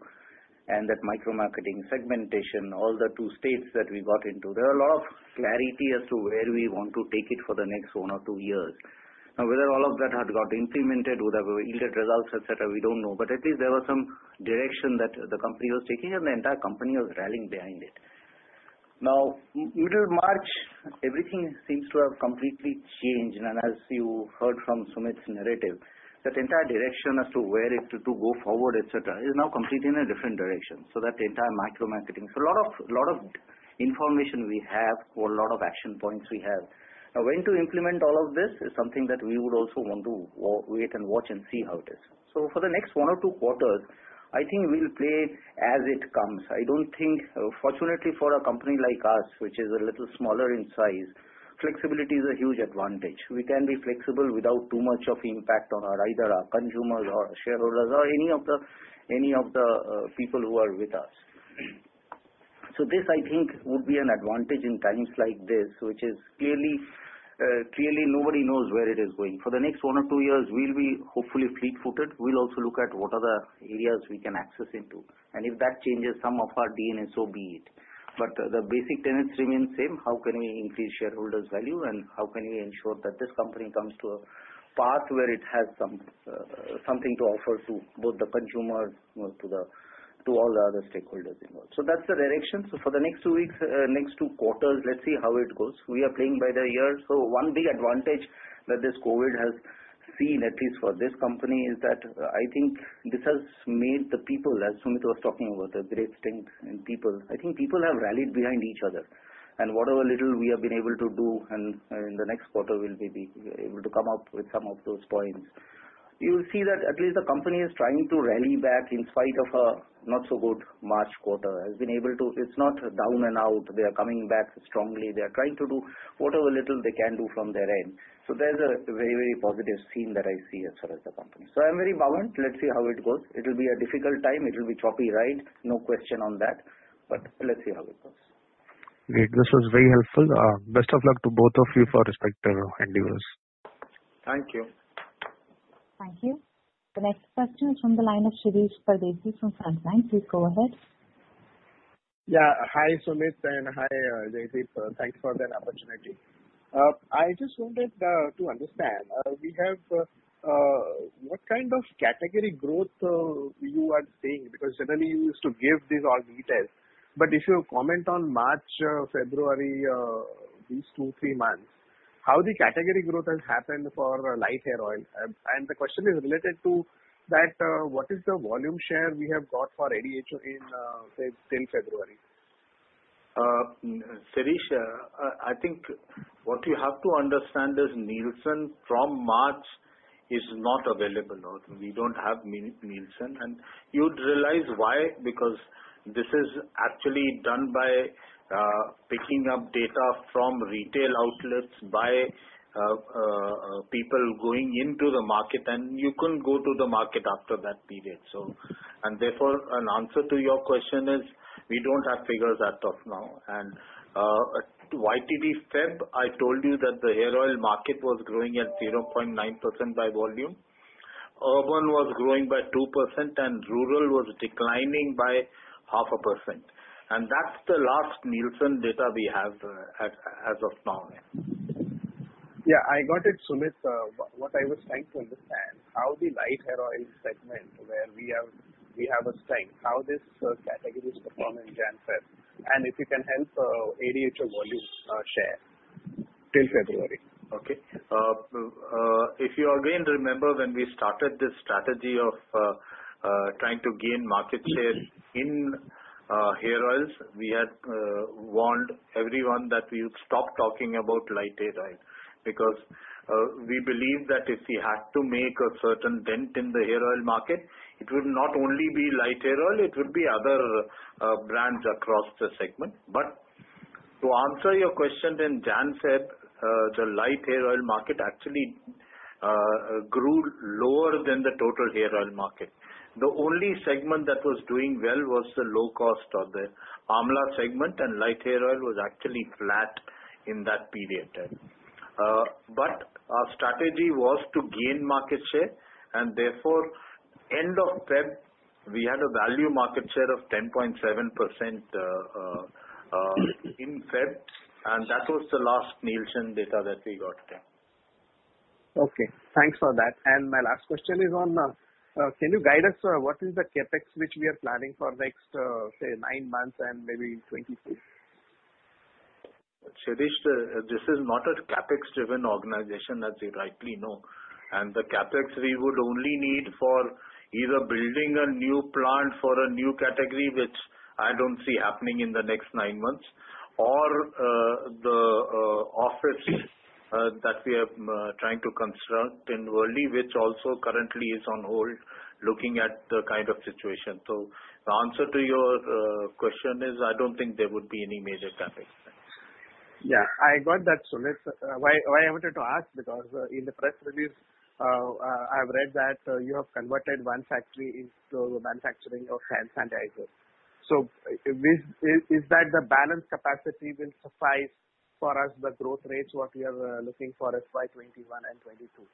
and that micro-marketing segmentation, all the two states that we got into, there was a lot of clarity as to where we want to take it for the next one or two years. Whether all of that had got implemented, whether we yielded results, et cetera, we don't know. At least there was some direction that the company was taking, and the entire company was rallying behind it. Middle of March, everything seems to have completely changed. As you heard from Sumit's narrative, that entire direction as to where it to go forward, et cetera, is now completely in a different direction. That entire micro-marketing. A lot of information we have or a lot of action points we have. When to implement all of this is something that we would also want to wait and watch and see how it is. For the next one or two quarters, I think we'll play as it comes. Fortunately for a company like us, which is a little smaller in size, flexibility is a huge advantage. We can be flexible without too much of impact on either our consumers or shareholders or any of the people who are with us. This, I think, would be an advantage in times like this. Clearly nobody knows where it is going. For the next one or two years, we'll be hopefully fleet-footed. We'll also look at what other areas we can access into. If that changes some of our DNA, so be it. The basic tenets remain same. How can we increase shareholders' value, and how can we ensure that this company comes to a path where it has something to offer to both the consumer, to all the other stakeholders involved? That's the direction. For the next two quarters, let's see how it goes. We are playing by the ear. One big advantage that this COVID has seen, at least for this company, is that I think this has made the people, as Sumit was talking about, the great strength in people. I think people have rallied behind each other. Whatever little we have been able to do in the next quarter, we'll be able to come up with some of those points. You will see that at least the company is trying to rally back in spite of a not so good March quarter. It's not down and out. They are coming back strongly. They are trying to do whatever little they can do from their end. There's a very positive scene that I see as far as the company. I'm very buoyant. Let's see how it goes. It will be a difficult time. It will be choppy ride, no question on that. Let's see how it goes. Great. This was very helpful. Best of luck to both of you for respective endeavors. Thank you. Thank you. The next question is from the line of Shirish Pardeshi from Centrum. Please go ahead. Hi, Sumit, and hi, Jaideep. Thanks for the opportunity. I just wanted to understand, what kind of category growth you are seeing? Generally you used to give these odd details. If you comment on March, February, these two, three months, how the category growth has happened for light hair oil? The question is related to that, what is the volume share we have got for ADHO till February? Shirish, I think what you have to understand is Nielsen from March is not available. We don't have Nielsen. You'd realize why, because This is actually done by picking up data from retail outlets by people going into the market, and you couldn't go to the market after that period. Therefore, an answer to your question is, we don't have figures as of now. YTD Feb, I told you that the hair oil market was growing at 0.9% by volume. Urban was growing by 2% and rural was declining by 0.5%. That's the last Nielsen data we have as of now. Yeah, I got it, Sumit. What I was trying to understand, how the light hair oil segment, where we have a strength, how this category is performing January, February, and if you can help ADHO volume share till February. If you again remember when we started this strategy of trying to gain market share in hair oils, we had warned everyone that we would stop talking about light hair oil, because we believe that if we had to make a certain dent in the hair oil market, it would not only be light hair oil, it would be other brands across the segment. To answer your question, in Jan, Feb, the light hair oil market actually grew lower than the total hair oil market. The only segment that was doing well was the low cost or the Amla segment, and light hair oil was actually flat in that period. Our strategy was to gain market share, and therefore, end of Feb, we had a value market share of 10.7% in Feb, and that was the last Nielsen data that we got. Okay. Thanks for that. My last question is on, can you guide us what is the CapEx which we are planning for next, say, nine months and maybe 2022? Shirish, this is not a CapEx-driven organization, as you rightly know. The CapEx we would only need for either building a new plant for a new category, which I don't see happening in the next nine months, or the office that we are trying to construct in Worli, which also currently is on hold, looking at the kind of situation. The answer to your question is, I don't think there would be any major CapEx. Yeah, I got that, Sumit. Why I wanted to ask because in the press release, I've read that you have converted one factory into manufacturing of hand sanitizer. Is that the balance capacity will suffice for us the growth rates what we are looking for FY 2021 and 2022?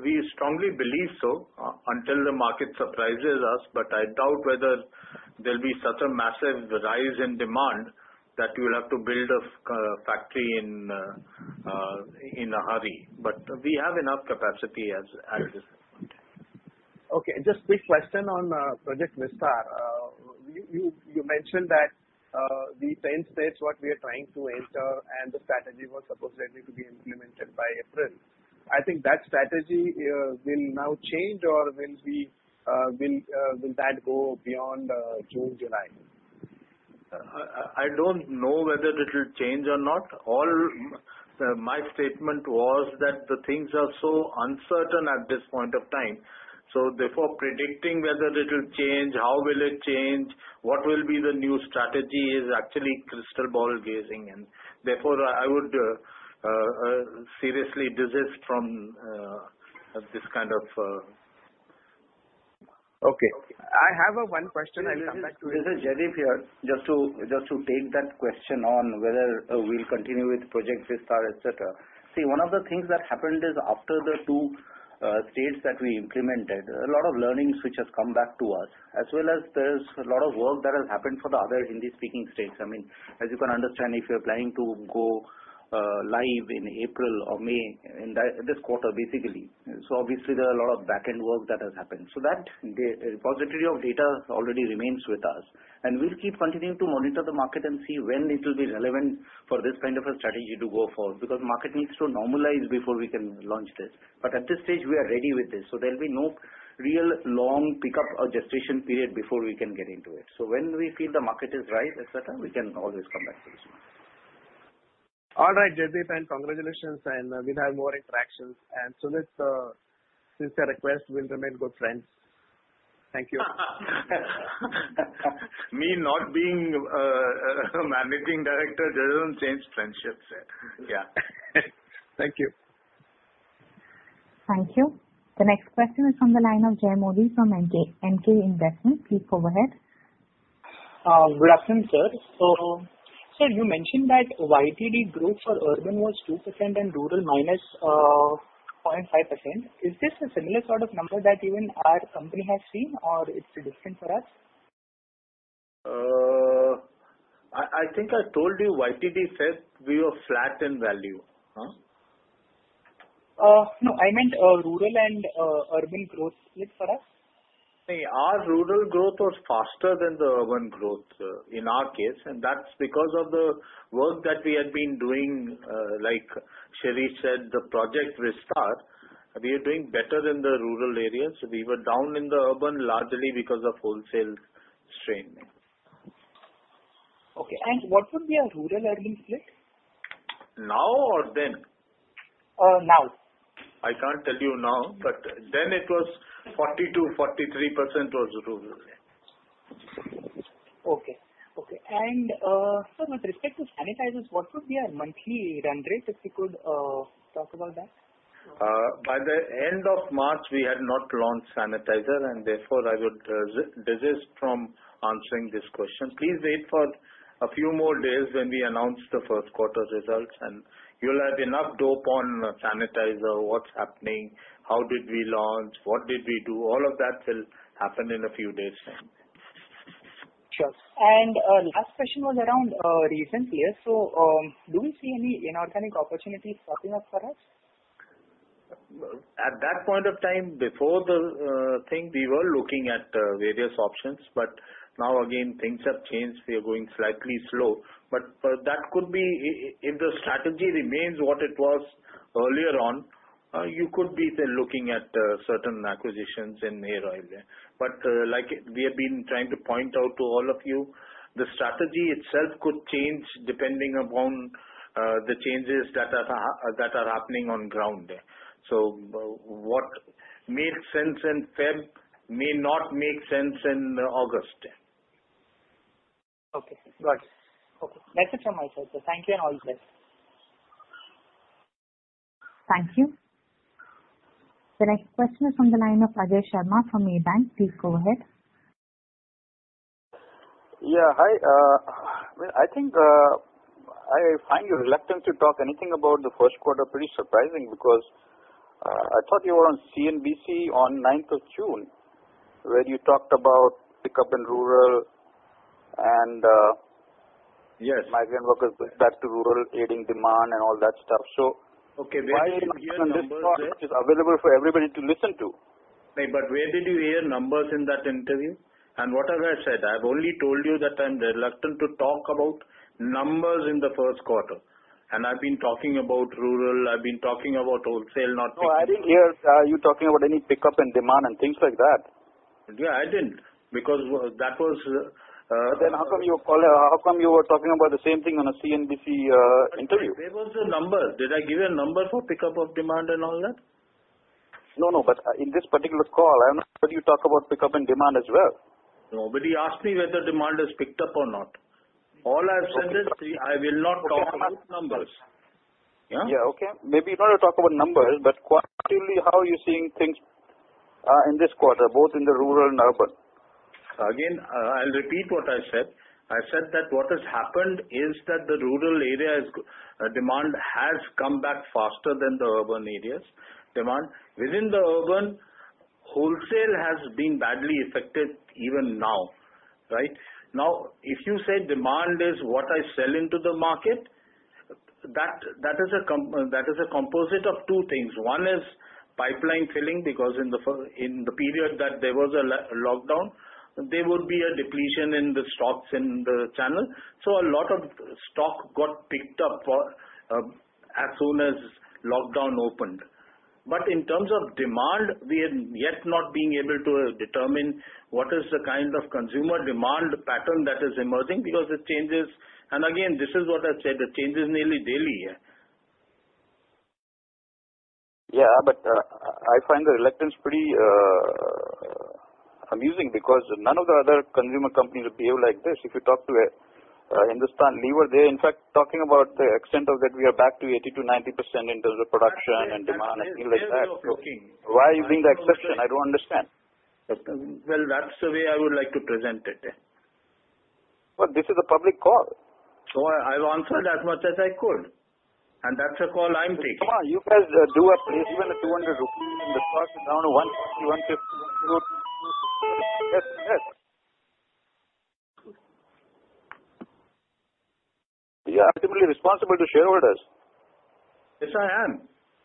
We strongly believe so until the market surprises us, but I doubt whether there'll be such a massive rise in demand that we'll have to build a factory in a hurry. We have enough capacity as is. Okay. Just quick question on Project Vistar. You mentioned that the 10 states what we are trying to enter and the strategy was supposedly to be implemented by April. I think that strategy will now change, or will that go beyond June, July? I don't know whether it will change or not. All my statement was that the things are so uncertain at this point of time. Predicting whether it will change, how will it change, what will be the new strategy is actually crystal ball gazing. I would seriously desist from this kind of. Okay. I have one question. I will come back to it. This is Jaideep here. Just to take that question on whether we'll continue with Project Vistar, et cetera. One of the things that happened is after the two states that we implemented, a lot of learnings which has come back to us, as well as there's a lot of work that has happened for the other Hindi-speaking states. You can understand, if you're planning to go live in April or May, in this quarter, basically. Obviously, there are a lot of back-end work that has happened. That repository of data already remains with us, and we'll keep continuing to monitor the market and see when it will be relevant for this kind of a strategy to go forward, because market needs to normalize before we can launch this. At this stage, we are ready with this, so there'll be no real long pickup or gestation period before we can get into it. When we feel the market is right, et cetera, we can always come back to this one. All right, Jaideep, and congratulations, and we'll have more interactions. Sumit, since I request, we'll remain good friends. Thank you. Me not being a managing director doesn't change friendships. Yeah. Thank you. Thank you. The next question is from the line of Jay Modi from Emkay Investment. Please go ahead. Good afternoon, sir. Sir, you mentioned that YTD growth for urban was 2% and rural minus 0.5%. Is this a similar sort of number that even our company has seen, or it is different for us? I think I told you YTD Feb, we were flat in value. No, I meant rural and urban growth split for us. Our rural growth was faster than the urban growth in our case. That's because of the work that we had been doing, like Shirish said, the Project Vistar. We are doing better in the rural areas. We were down in the urban largely because of wholesale strain. Okay. What would be our rural urban split? Now or then? Now. I can't tell you now, but then it was 42%-43% was rural. Okay. Sir, with respect to sanitizers, what would be our monthly run rate, if you could talk about that? By the end of March, we had not launched sanitizer, therefore I would desist from answering this question. Please wait for a few more days when we announce the first quarter results, you'll have enough dope on sanitizer, what's happening, how did we launch, what did we do. All of that will happen in a few days' time. Sure. Last question was around recent years. Do we see any inorganic opportunities propping up for us? At that point of time, before the thing, we were looking at various options. Now again, things have changed. We are going slightly slow. That could be if the strategy remains what it was earlier on, you could be then looking at certain acquisitions in here or everywhere. Like we have been trying to point out to all of you, the strategy itself could change depending upon the changes that are happening on ground. What made sense in Feb may not make sense in August. Okay, got it. That's it from my side, sir. Thank you. All the best. Thank you. The next question is on the line of [Ajay Sharma from ABANK]. Please go ahead. Hi. I find your reluctance to talk anything about the first quarter pretty surprising, because I thought you were on CNBC on the 9th of June, where you talked about pickup in rural migrant workers back to rural, aiding demand and all that stuff. Okay, where did you hear numbers there? Why are you not on this call which is available for everybody to listen to? Right, where did you hear numbers in that interview? What have I said? I've only told you that I'm reluctant to talk about numbers in the first quarter. I've been talking about rural, I've been talking about wholesale not picking up. No, I didn't hear you talking about any pickup in demand and things like that. Yeah, I didn't. How come you were talking about the same thing on a CNBC interview? Where was the number? Did I give you a number for pickup of demand and all that? In this particular call, I haven't heard you talk about pickup in demand as well. Nobody asked me whether demand has picked up or not. All I've said is I will not talk about numbers. Yeah, okay. Maybe you don't want to talk about numbers, but qualitatively, how are you seeing things in this quarter, both in the rural and urban? Again, I'll repeat what I said. I said that what has happened is that the rural areas demand has come back faster than the urban areas demand. Within the urban, wholesale has been badly affected even now. Right? Now, if you say demand is what I sell into the market, that is a composite of two things. One is pipeline filling, because in the period that there was a lockdown, there would be a depletion in the stocks in the channel. A lot of stock got picked up as soon as lockdown opened. In terms of demand, we have yet not been able to determine what is the kind of consumer demand pattern that is emerging because it changes. Again, this is what I said, it changes nearly daily. Yeah, I find the reluctance pretty amusing because none of the other consumer companies would behave like this. If you talk to a Hindusthan Unilever, they're in fact talking about the extent of that we are back to 80%-90% in terms of production and demand and things like that. That is their booking. Why are you being like this then? I don't understand. Well, that's the way I would like to present it. This is a public call. I've answered as much as I could, and that's a call I'm taking. Come on, you guys do a placement of 200 rupees. The stock is down to INR 180, INR 150. You are ultimately responsible to shareholders. Yes, I am.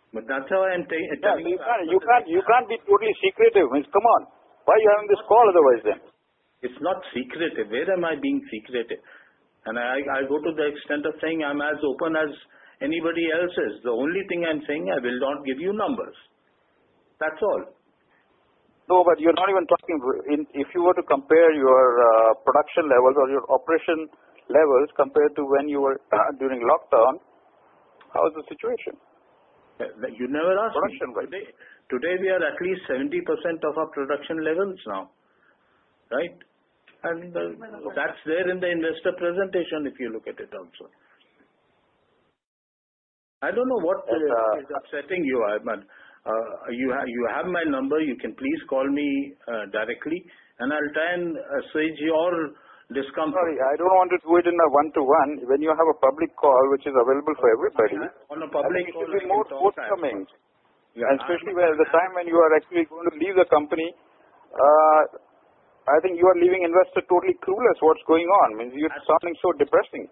Yeah, you can't be totally secretive. I mean, come on. Why are you having this call otherwise then? It's not secretive. Where am I being secretive? I go to the extent of saying I'm as open as anybody else is. The only thing I'm saying, I will not give you numbers. That's all. No, but you're not even talking. If you were to compare your production levels or your operation levels compared to when you were during lockdown, how is the situation? You never asked me. Production-wise. Today we are at least 70% of our production levels now. Right? That's there in the investor presentation, if you look at it also. I don't know what is upsetting you, Ajay, man. You have my number. You can please call me directly, and I'll try and assuage your discomfort. Sorry, I don't want to do it in a one-to-one. When you have a public call, which is available for everybody. On a public call- I think you should be more forthcoming. Especially where at the time when you are actually going to leave the company, I think you are leaving investors totally clueless what's going on. I mean, you're sounding so depressing.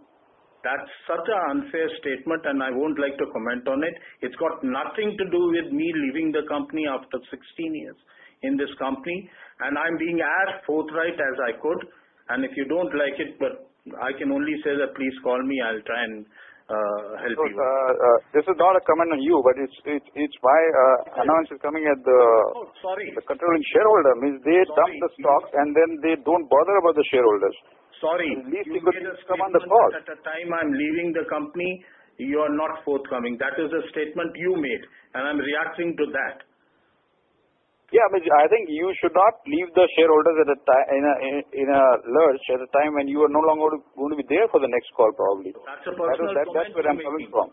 That's such an unfair statement, and I won't like to comment on it. It's got nothing to do with me leaving the company after 16 years in this company, and I'm being as forthright as I could. If you don't like it, but I can only say that please call me, I'll try and help you. This is not a comment on you, but it's why announcements coming at the the controlling shareholder. No, sorry. I mean, they dump the stocks, and then they don't bother about the shareholders. Sorry. You made a statement that at the time I'm leaving the company, you are not forthcoming. That is a statement you made, and I'm reacting to that. I think you should not leave the shareholders in a lurch at a time when you are no longer going to be there for the next call, probably. That's a personal comment you're making. That is where I'm coming from.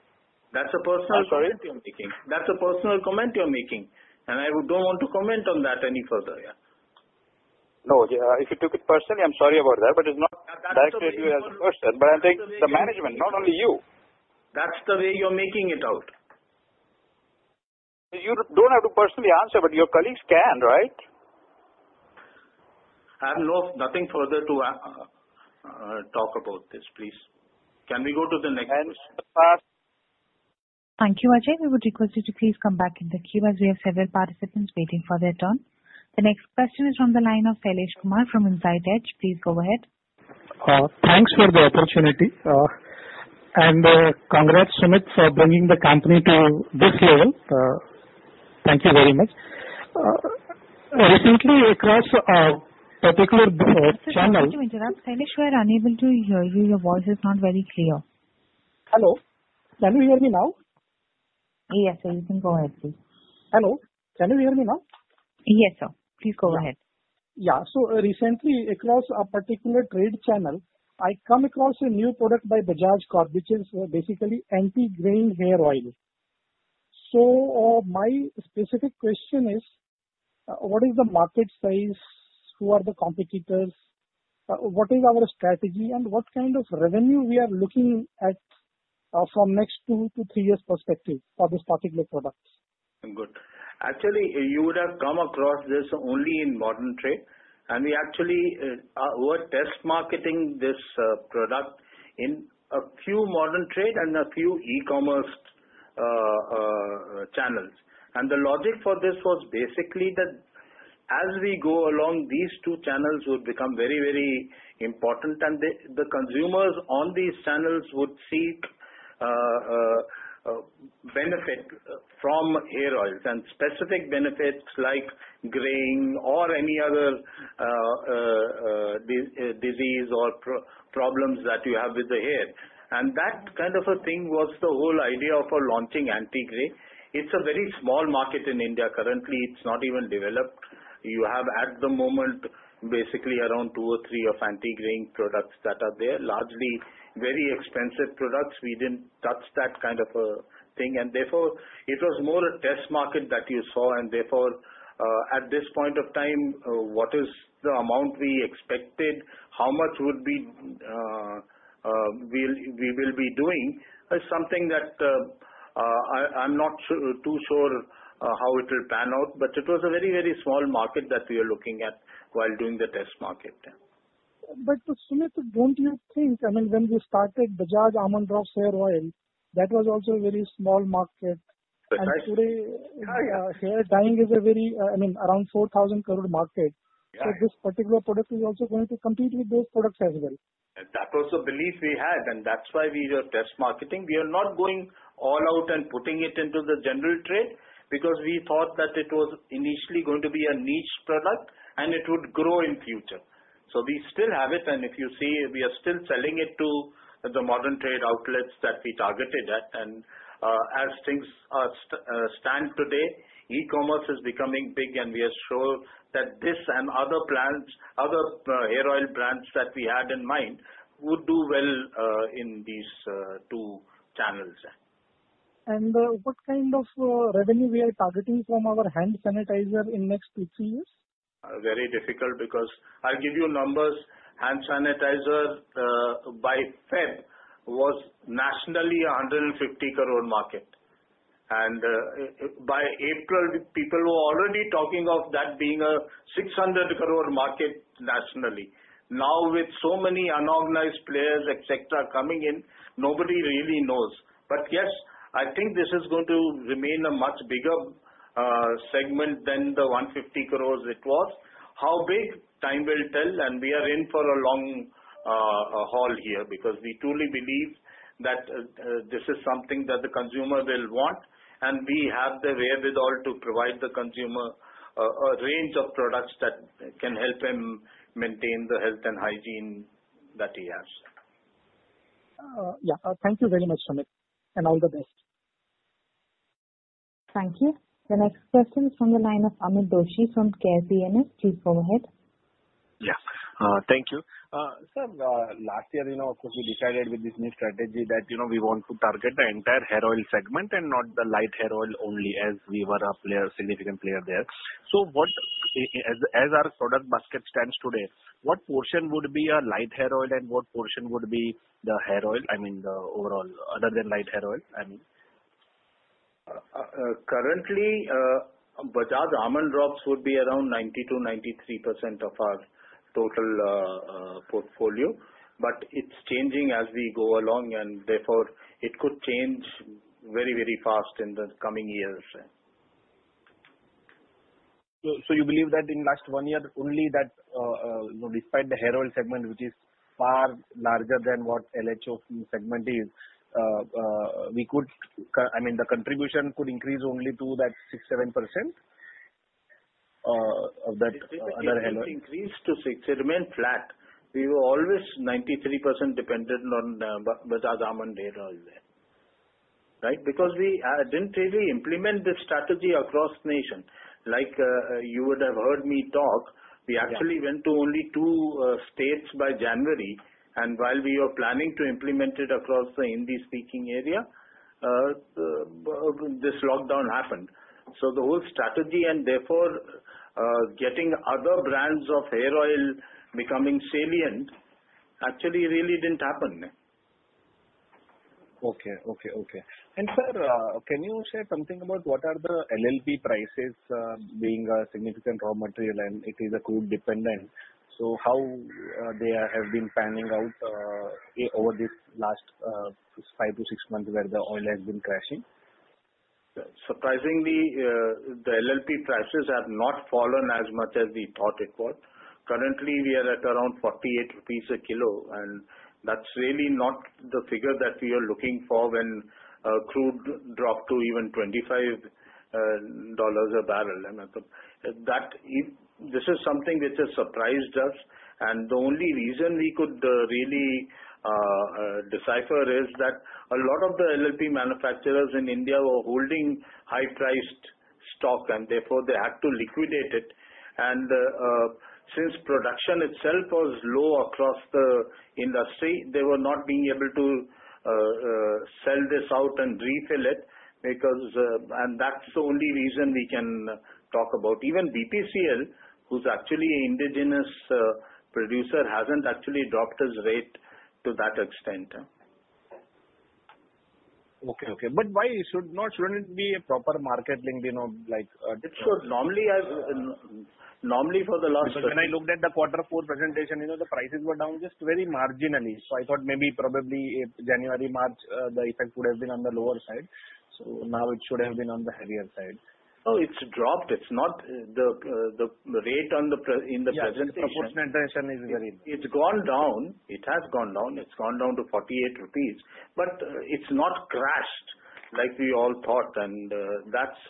That's a personal comment. I'm sorry? you're making. That's a personal comment you're making, and I don't want to comment on that any further. No. If you took it personally, I'm sorry about that. That's the way. But its not directed at you as a person, but I think the management, not only you. That's the way you're making it out. You don't have to personally answer, but your colleagues can, right? I have nothing further to talk about this, please. Can we go to the next? Pass. Thank you, Ajay. We would request you to please come back in the queue as we have several participants waiting for their turn. The next question is from the line of [Sailesh Kumar from Inside Edge]. Please go ahead. Thanks for the opportunity. Congrats, Sumit, for bringing the company to this level. Thank you very much. Just a second, Vijay. Sailesh, we are unable to hear you. Your voice is not very clear. Hello. Can you hear me now? Yes, sir. You can go ahead, please. Hello. Can you hear me now? Yes, sir. Please go ahead. Yeah. Recently, across a particular trade channel, I come across a new product by Bajaj Corp, which is basically anti-graying hair oil. My specific question is, what is the market size? Who are the competitors? What is our strategy and what kind of revenue we are looking at from next two to three years perspective for this particular product? Good. Actually, you would have come across this only in modern trade. We actually were test marketing this product in a few modern trade and a few e-commerce channels. The logic for this was basically that as we go along, these two channels would become very important and the consumers on these channels would seek benefit from hair oils and specific benefits like graying or any other disease or problems that you have with the hair. That kind of a thing was the whole idea of launching anti-gray. It's a very small market in India currently. It's not even developed. You have, at the moment, basically around two or three of anti-graying products that are there, largely very expensive products. We didn't touch that kind of a thing, and therefore, it was more a test market that you saw, and therefore, at this point of time, what is the amount we expected? How much we will be doing is something that I'm not too sure how it will pan out, but it was a very small market that we are looking at while doing the test market. Sumit, don't you think, when we started Bajaj Almond Drops Hair Oil, that was also a very small market? But I- And today hair dyeing is around 4,000 crore market. Yeah. This particular product is also going to compete with those products as well. That was the belief we had, and that's why we were test marketing. We are not going all out and putting it into the general trade because we thought that it was initially going to be a niche product and it would grow in future. We still have it, and if you see, we are still selling it to the modern trade outlets that we targeted at. As things stand today, e-commerce is becoming big and we are sure that this and other hair oil brands that we had in mind would do well in these two channels. What kind of revenue we are targeting from our hand sanitizer in next two, three years? Very difficult because I'll give you numbers. Hand sanitizer, by Feb was nationally 150 crore market. By April, people were already talking of that being a 600 crore market nationally. Now with so many unorganized players, et cetera, coming in, nobody really knows. Yes, I think this is going to remain a much bigger segment than the 150 crores it was. How big? Time will tell, and we are in for a long haul here because we truly believe that this is something that the consumer will want, and we have the wherewithal to provide the consumer a range of products that can help him maintain the health and hygiene that he has. Yeah. Thank you very much, Sumit. All the best. Thank you. The next question is from the line of Amit Doshi from Care PMS. Please go ahead. Thank you. Sir, last year, of course, you decided with this new strategy that we want to target the entire hair oil segment and not the light hair oil only as we were a significant player there. As our product basket stands today, what portion would be a light hair oil and what portion would be the hair oil, I mean the overall, other than light hair oil? Currently, Bajaj Almond Drops would be around 92%, 93% of our total portfolio, but it's changing as we go along, and therefore, it could change very fast in the coming years. You believe that in last one year, only that despite the hair oil segment, which is far larger than what LHO segment is, the contribution could increase only to that 6%, 7% of that other hair oil? It didn't increase to six, it remained flat. We were always 93% dependent on Bajaj Almond Hair Oil there. Right? We didn't really implement this strategy across nation. Like you would have heard me talk, we actually went to only two states by January, and while we were planning to implement it across the Hindi-speaking area, this lockdown happened. The whole strategy, and therefore getting other brands of hair oil becoming salient, actually really didn't happen. Okay. Sir, can you share something about what are the LLP prices, being a significant raw material, and it is a crude dependent. How they have been panning out over this last five to six months where the oil has been crashing? Surprisingly, the LLP prices have not fallen as much as we thought it would. Currently, we are at around 48 rupees a kilo. That's really not the figure that we are looking for when crude dropped to even 25 dollars a barrel. This is something which has surprised us. The only reason we could really decipher is that a lot of the LLP manufacturers in India were holding high-priced stock, and therefore they had to liquidate it. Since production itself was low across the industry, they were not being able to sell this out and refill it. That's the only reason we can talk about. Even BPCL, who's actually an indigenous producer, hasn't actually dropped its rate to that extent. Okay. Shouldn't it be a proper market link? It should. Normally for the last. Because when I looked at the Quarter four presentation, the prices were down just very marginally. I thought maybe, probably January, March, the effect would have been on the lower side. Now it should have been on the heavier side. No, it's dropped. It's not the rate in the presentation. Yes. The post presentation is. It's gone down. It has gone down. It's gone down to 48 rupees, but it's not crashed like we all thought. That's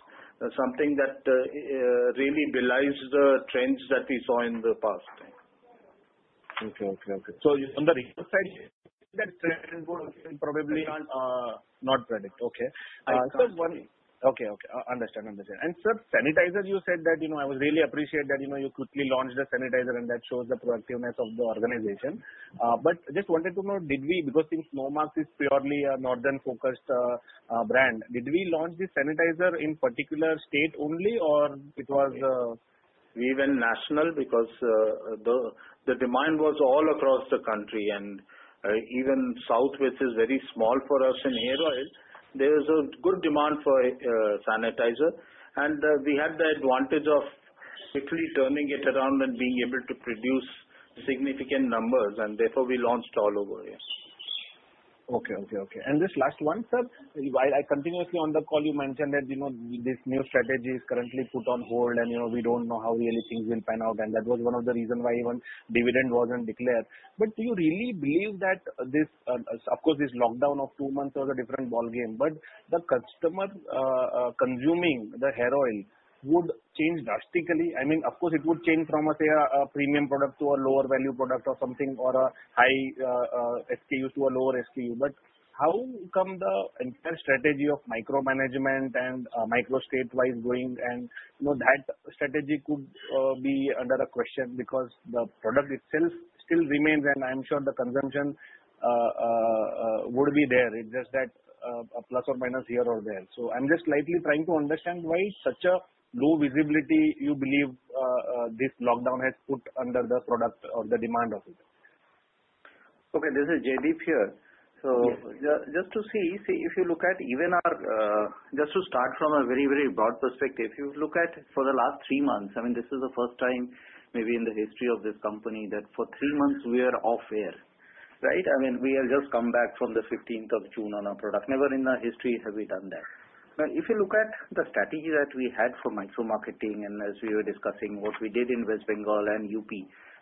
something that really belies the trends that we saw in the past. Okay. On the reverse side, that trend would have been. I cannot- Not predict, okay. I can't say. Okay. Understand. Sir, sanitizer, you said that, I really appreciate that you quickly launched the sanitizer, and that shows the productiveness of the organization. Just wanted to know, because since Nomarks is purely a northern-focused brand, did we launch this sanitizer in particular state only? We went national because the demand was all across the country, and even south, which is very small for us in hair oil, there is a good demand for sanitizer. We had the advantage of quickly turning it around and being able to produce significant numbers, and therefore, we launched all over, yes. Okay. Just last one, sir. While continuously on the call, you mentioned that this new strategy is currently put on hold and we don't know how really things will pan out, and that was one of the reason why even dividend wasn't declared. Do you really believe that, of course, this lockdown of two months was a different ball game, but the customer consuming the hair oil would change drastically? Of course, it would change from a premium product to a lower value product or something, or a high SKU to a lower SKU. How come the entire strategy of micromanagement and micro state-wise going and that strategy could be under a question because the product itself still remains, and I am sure the consumption would be there. It is just that a plus or minus here or there. I'm just slightly trying to understand why such a low visibility you believe this lockdown has put under the product or the demand of it. Okay, this is Jaideep here. Yes. Just to start from a very broad perspective, if you look at for the last three months, this is the first time maybe in the history of this company that for three months we are off air. Right? We have just come back from the 15th of June on our product. Never in our history have we done that. If you look at the strategy that we had for micro-marketing, and as we were discussing what we did in West Bengal and UP,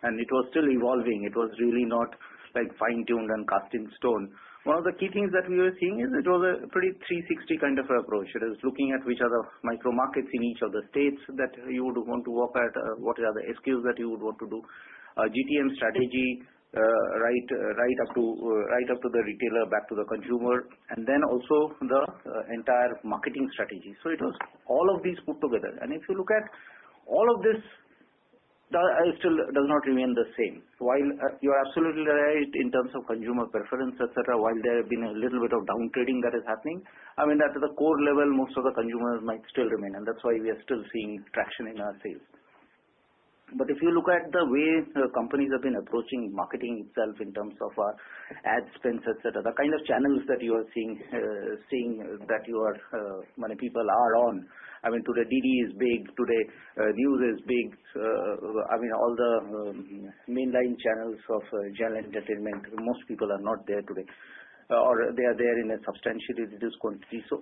and it was still evolving. It was really not fine-tuned and cast in stone. One of the key things that we were seeing is it was a pretty 360 kind of approach. It is looking at which are the micro markets in each of the states that you would want to work at, what are the SKUs that you would want to do. GTM strategy, right up to the retailer, back to the consumer, and then also the entire marketing strategy. It was all of these put together. If you look at all of this, it still does not remain the same. You're absolutely right in terms of consumer preference, et cetera. While there have been a little bit of downgrading that is happening, at the core level, most of the consumers might still remain, and that's why we are still seeing traction in our sales. If you look at the way companies have been approaching marketing itself in terms of ad spends, et cetera, the kind of channels that people are on. Today, DD is big. Today, news is big. All the mainline channels of general entertainment, most people are not there today. They are there in a substantially reduced quantity. A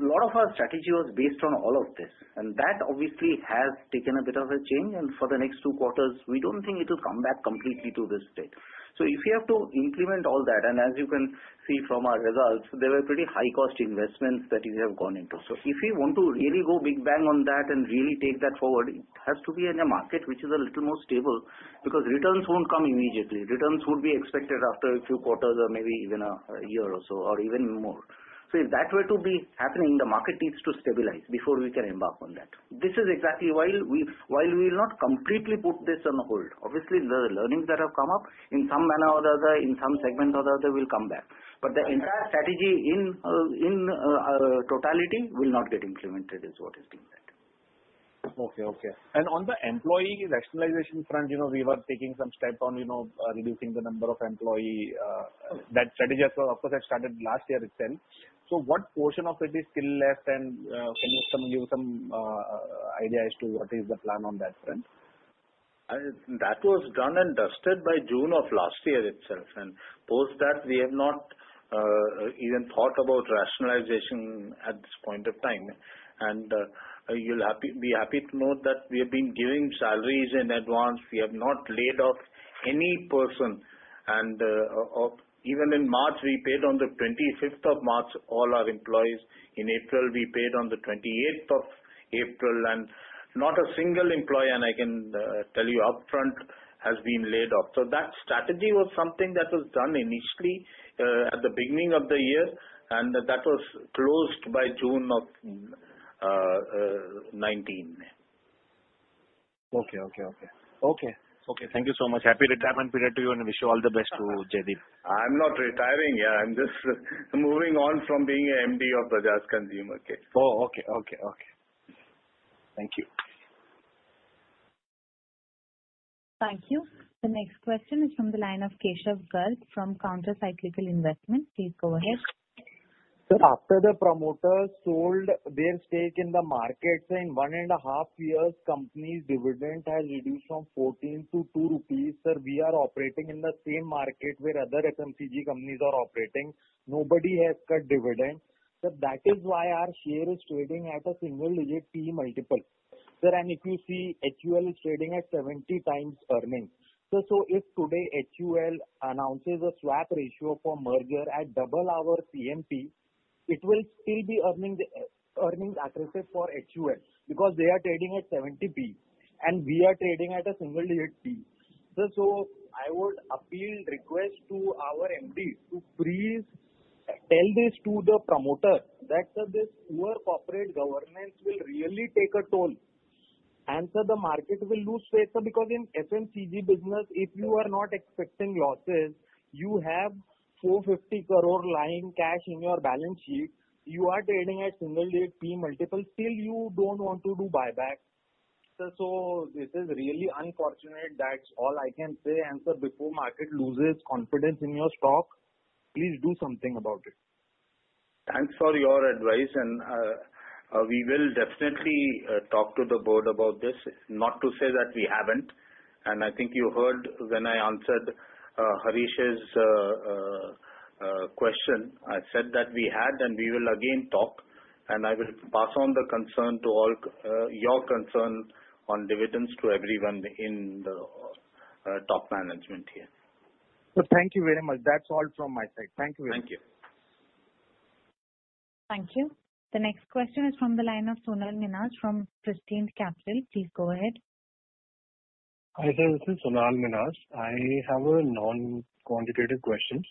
lot of our strategy was based on all of this, and that obviously has taken a bit of a change. For the next two quarters, we don't think it will come back completely to this state. If we have to implement all that, and as you can see from our results, they were pretty high cost investments that we have gone into. If we want to really go big bang on that and really take that forward, it has to be in a market which is a little more stable because returns won't come immediately. Returns would be expected after a few quarters or maybe even a year or so, or even more. If that were to be happening, the market needs to stabilize before we can embark on that. This is exactly why we will not completely put this on hold. Obviously, the learnings that have come up, in some manner or the other, in some segment or the other, will come back. The entire strategy in totality will not get implemented, is what is being said. Okay. On the employee rationalization front, we were taking some steps on reducing the number of employee. That strategy, of course, had started last year itself. What portion of it is still left? Can you give some idea as to what is the plan on that front? That was done and dusted by June of last year itself. Post that, we have not even thought about rationalization at this point of time. You'll be happy to note that we have been giving salaries in advance. We have not laid off any person. Even in March, we paid on the 25th of March, all our employees. In April, we paid on the 28th of April, not a single employee, and I can tell you upfront, has been laid off. That strategy was something that was done initially at the beginning of the year, and that was closed by June of 2019. Okay. Thank you so much. Happy retirement period to you, and wish you all the best to Jaideep. I'm not retiring. I'm just moving on from being MD of Bajaj Consumer Care. Okay. Thank you. Thank you. The next question is from the line of Keshav Garg from Counter Cyclical Investments. Please go ahead. Sir, after the promoters sold their stake in the market in one and a half years, company's dividend has reduced from 14 to 2 rupees. Sir, we are operating in the same market where other FMCG companies are operating. Nobody has cut dividends. [inaudible] Sir, if you see HUL is trading at 70x earnings. Sir, if today HUL announces a swap ratio for merger at double our CMP, it will still be earnings accretive for HUL because they are trading at 70 PE and we are trading at a single digit PE. Sir, I would appeal and request to our MD to please tell this to the promoter that, sir, this poor corporate governance will really take a toll. Sir, the market will lose faith. Sir, in FMCG business, if you are not expecting losses, you have 450 crore lying cash in your balance sheet. You are trading at single-digit PE multiple, still you don't want to do buyback. Sir, this is really unfortunate. That's all I can say. Sir, before market loses confidence in your stock, please do something about it. Thanks for your advice. We will definitely talk to the board about this. Not to say that we haven't. I think you heard when I answered Harish's question. I said that we had. We will again talk. I will pass on your concern on dividends to everyone in the top management here. Sir, thank you very much. That's all from my side. Thank you very much. Thank you. Thank you. The next question is from the line of Sonal Minhas from Prescient Capital. Please go ahead. Hi, sir. This is Sonal Minhas. I have a non-quantitative question.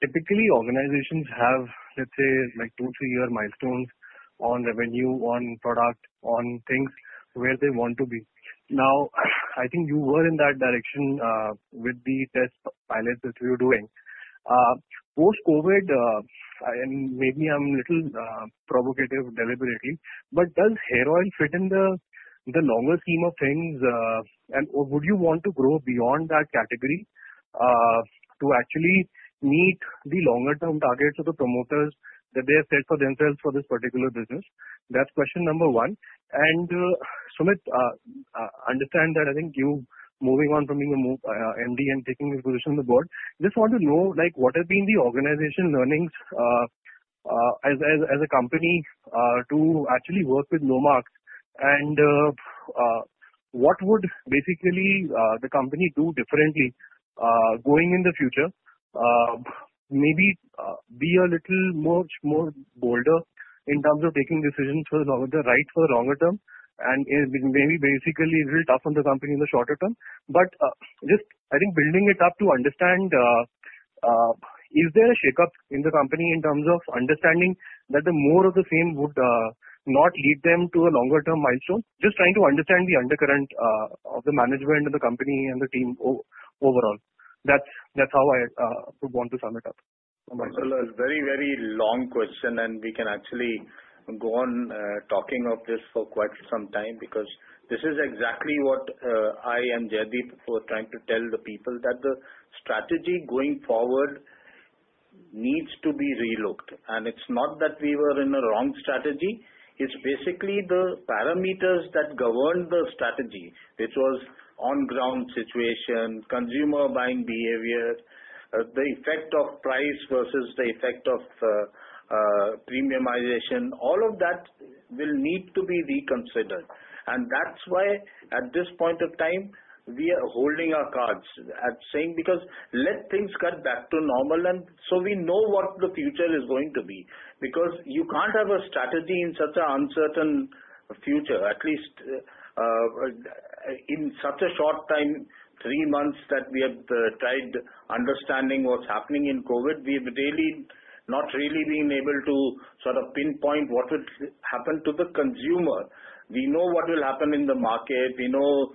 Typically, organizations have, let's say, two, three-year milestones on revenue, on product, on things where they want to be. Now, I think you were in that direction with the test pilot that you were doing. Maybe I'm a little provocative deliberately, but does hair oil fit in the longer scheme of things? Would you want to grow beyond that category to actually meet the longer term targets of the promoters that they have set for themselves for this particular business? That's question number one. Sumit, understand that I think you moving on from being MD and taking a position on the board. Just want to know what have been the organization learnings as a company to actually work with Nomarks, and what would basically the company do differently going in the future? Maybe be a little more bolder in terms of taking decisions which are right for the longer term, and maybe basically it is tough on the company in the shorter term. Just, I think building it up to understand, is there a shakeup in the company in terms of understanding that the more of the same would not lead them to a longer term milestone? Just trying to understand the undercurrent of the management of the company and the team overall. That's how I would want to sum it up. A very long question. We can actually go on talking of this for quite some time, because this is exactly what I and Jaideep were trying to tell the people. That the strategy going forward. Needs to be relooked. It's not that we were in a wrong strategy, it's basically the parameters that governed the strategy. It was on-ground situation, consumer buying behavior, the effect of price versus the effect of premiumization. All of that will need to be reconsidered. That's why, at this point of time, we are holding our cards and saying, because let things cut back to normal and so we know what the future is going to be. You can't have a strategy in such an uncertain future, at least in such a short time, three months, that we have tried understanding what's happening in COVID-19. We've really not really been able to sort of pinpoint what would happen to the consumer. We know what will happen in the market. We know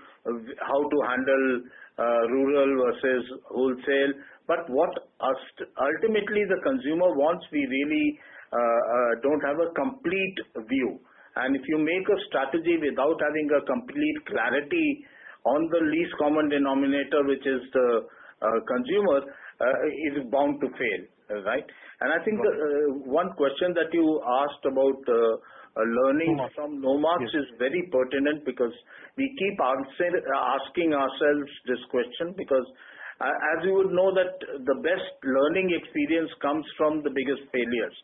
how to handle rural versus wholesale. What ultimately the consumer wants, we really don't have a complete view. If you make a strategy without having a complete clarity on the least common denominator, which is the consumer, it is bound to fail, right? I think one question that you asked about learning Nomarks from Nomarks is very pertinent because we keep asking ourselves this question because as you would know that the best learning experience comes from the biggest failures.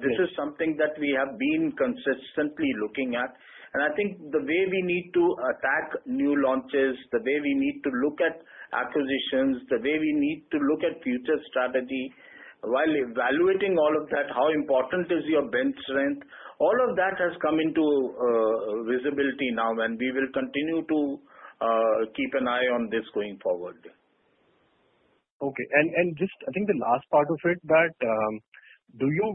This is something that we have been consistently looking at. I think the way we need to attack new launches, the way we need to look at acquisitions, the way we need to look at future strategy while evaluating all of that, how important is your bench strength, all of that has come into visibility now, and we will continue to keep an eye on this going forward. Okay. Just I think the last part of it, do you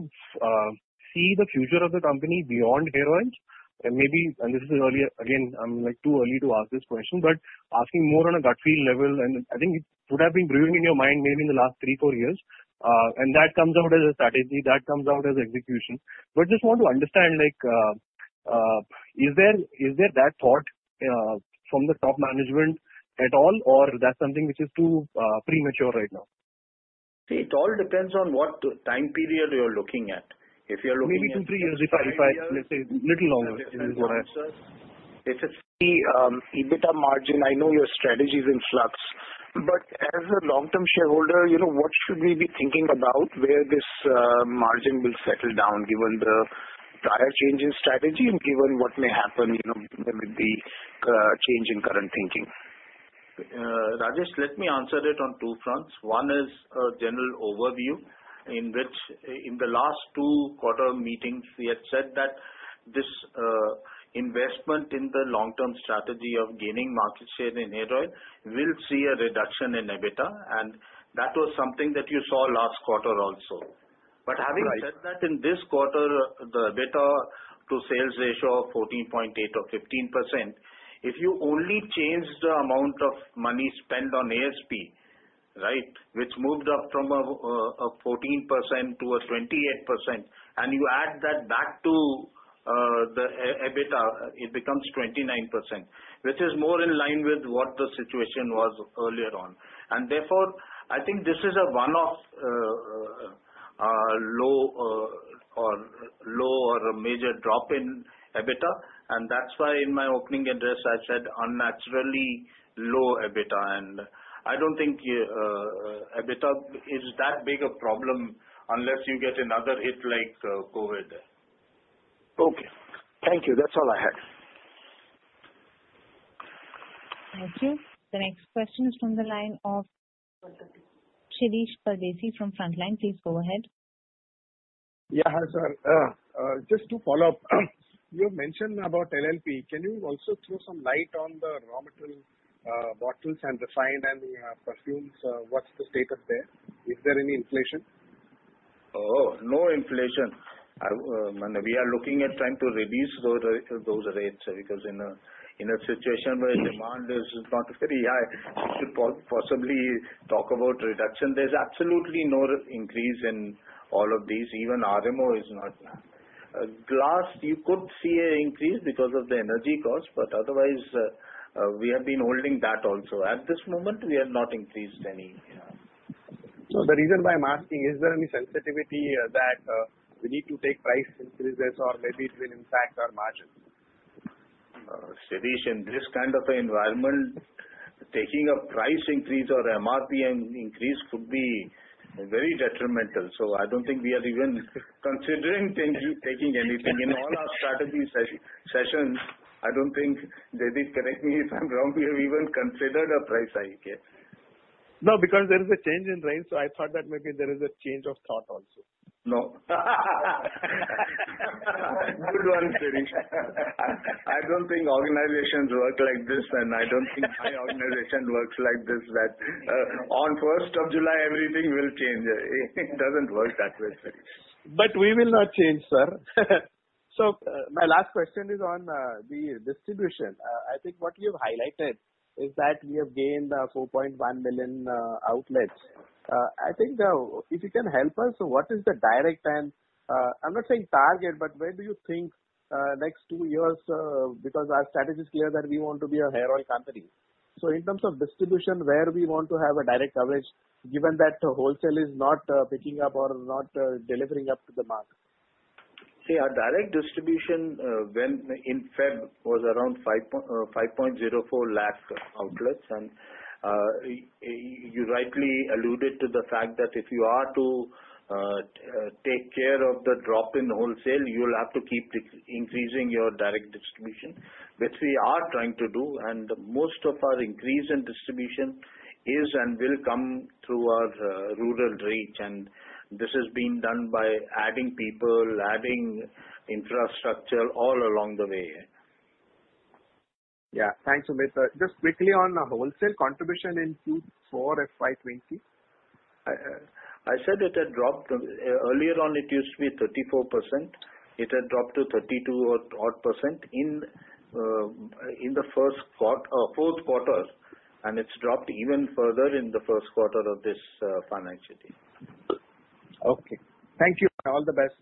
see the future of the company beyond hair oils? Maybe, this is earlier again, I'm too early to ask this question, asking more on a gut feel level, I think it would have been brewing in your mind maybe in the last three, four years. That comes out as a strategy, that comes out as execution. Just want to understand, is there that thought from the top management at all or that's something which is too premature right now? See, it all depends on what time period you're looking at. If you're looking at maybe two, three years, if it's the EBITDA margin, I know your strategy's in flux. As a long-term shareholder, what should we be thinking about where this margin will settle down given the prior change in strategy and given what may happen, there may be change in current thinking? Let me answer that on two fronts. One is a general overview in which in the last two quarter meetings, we had said that this investment in the long-term strategy of gaining market share in hair oil will see a reduction in EBITDA, and that was something that you saw last quarter also. Right. Having said that, in this quarter, the EBITDA to sales ratio of 14.8% or 15%, if you only change the amount of money spent on ASP, which moved up from a 14% to a 28%, you add that back to the EBITDA, it becomes 29%, which is more in line with what the situation was earlier on. Therefore, I think this is a one-off low or a major drop in EBITDA. That's why in my opening address, I said unnaturally low EBITDA. I don't think EBITDA is that big a problem unless you get another hit like COVID. Okay. Thank you. That's all I had. Thank you. The next question is from the line of Shirish Pardeshi from Centrum Broking. Please go ahead. Yeah. Hi, sir. Just to follow up, you mentioned about LLP. Can you also throw some light on the raw material, bottles and the fine and the perfumes? What's the status there? Is there any inflation? Oh, no inflation. We are looking at trying to reduce those rates because in a situation where demand is not very high, you should possibly talk about reduction. There is absolutely no increase in all of these. Even RMO is not. Glass, you could see an increase because of the energy cost, but otherwise, we have been holding that also. At this moment, we have not increased any. The reason why I'm asking, is there any sensitivity that we need to take price increases or maybe it will impact our margin? Shirish, in this kind of environment, taking a price increase or MRP increase could be very detrimental. I don't think we are even considering taking anything. In all our strategy sessions, I don't think, Jaideep, correct me if I'm wrong, we have even considered a price hike. No, because there is a change in reign, so I thought that maybe there is a change of thought also. No. Good one, Shirish. I don't think organizations work like this, and I don't think my organization works like this, that on first of July, everything will change. It doesn't work that way. We will not change, sir. My last question is on the distribution. I think what you've highlighted is that you have gained 4.1 million outlets. I think if you can help us, so what is the direct and, I'm not saying target, but where do you think next two years, because our strategy is clear that we want to be a hair oil company, in terms of distribution, where we want to have a direct coverage, given that the wholesale is not picking up or not delivering up to the mark? See, our direct distribution in Feb was around 5.04 lakh outlets. You rightly alluded to the fact that if you are to take care of the drop in wholesale, you will have to keep increasing your direct distribution, which we are trying to do, and most of our increase in distribution is and will come through our rural reach. This is being done by adding people, adding infrastructure all along the way. Yeah. Thanks, Sumit. Just quickly on the wholesale contribution in Q4 FY 2020. I said it had dropped. Earlier on it used to be 34%. It had dropped to 32 odd % in the fourth quarter, and it's dropped even further in the first quarter of this financial year. Okay. Thank you. All the best.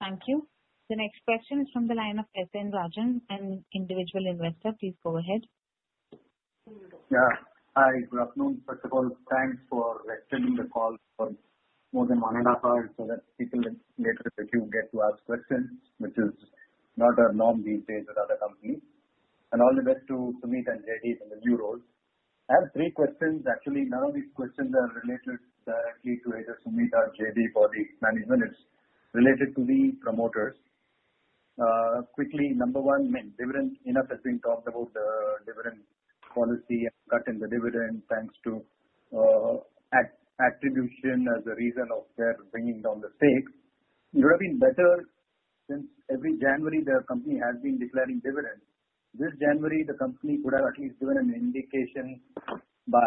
Thank you. The next question is from the line of S.N. Rajan, an individual investor. Please go ahead. Yeah. Hi. Good afternoon. First of all, thanks for extending the call for more than one and a half hours so that people with lesser issues get to ask questions, which is not a norm these days with other companies. All the best to Sumit and Jaideep in the new roles. I have three questions. Actually, none of these questions are related directly to either Sumit or Jaideep or the management. It's related to the promoters. Quickly, number one, dividend. Enough has been talked about the dividend policy and cut in the dividend, thanks to attribution as a reason of their bringing down the stake. It would have been better since every January their company has been declaring dividends. This January, the company could have at least given an indication by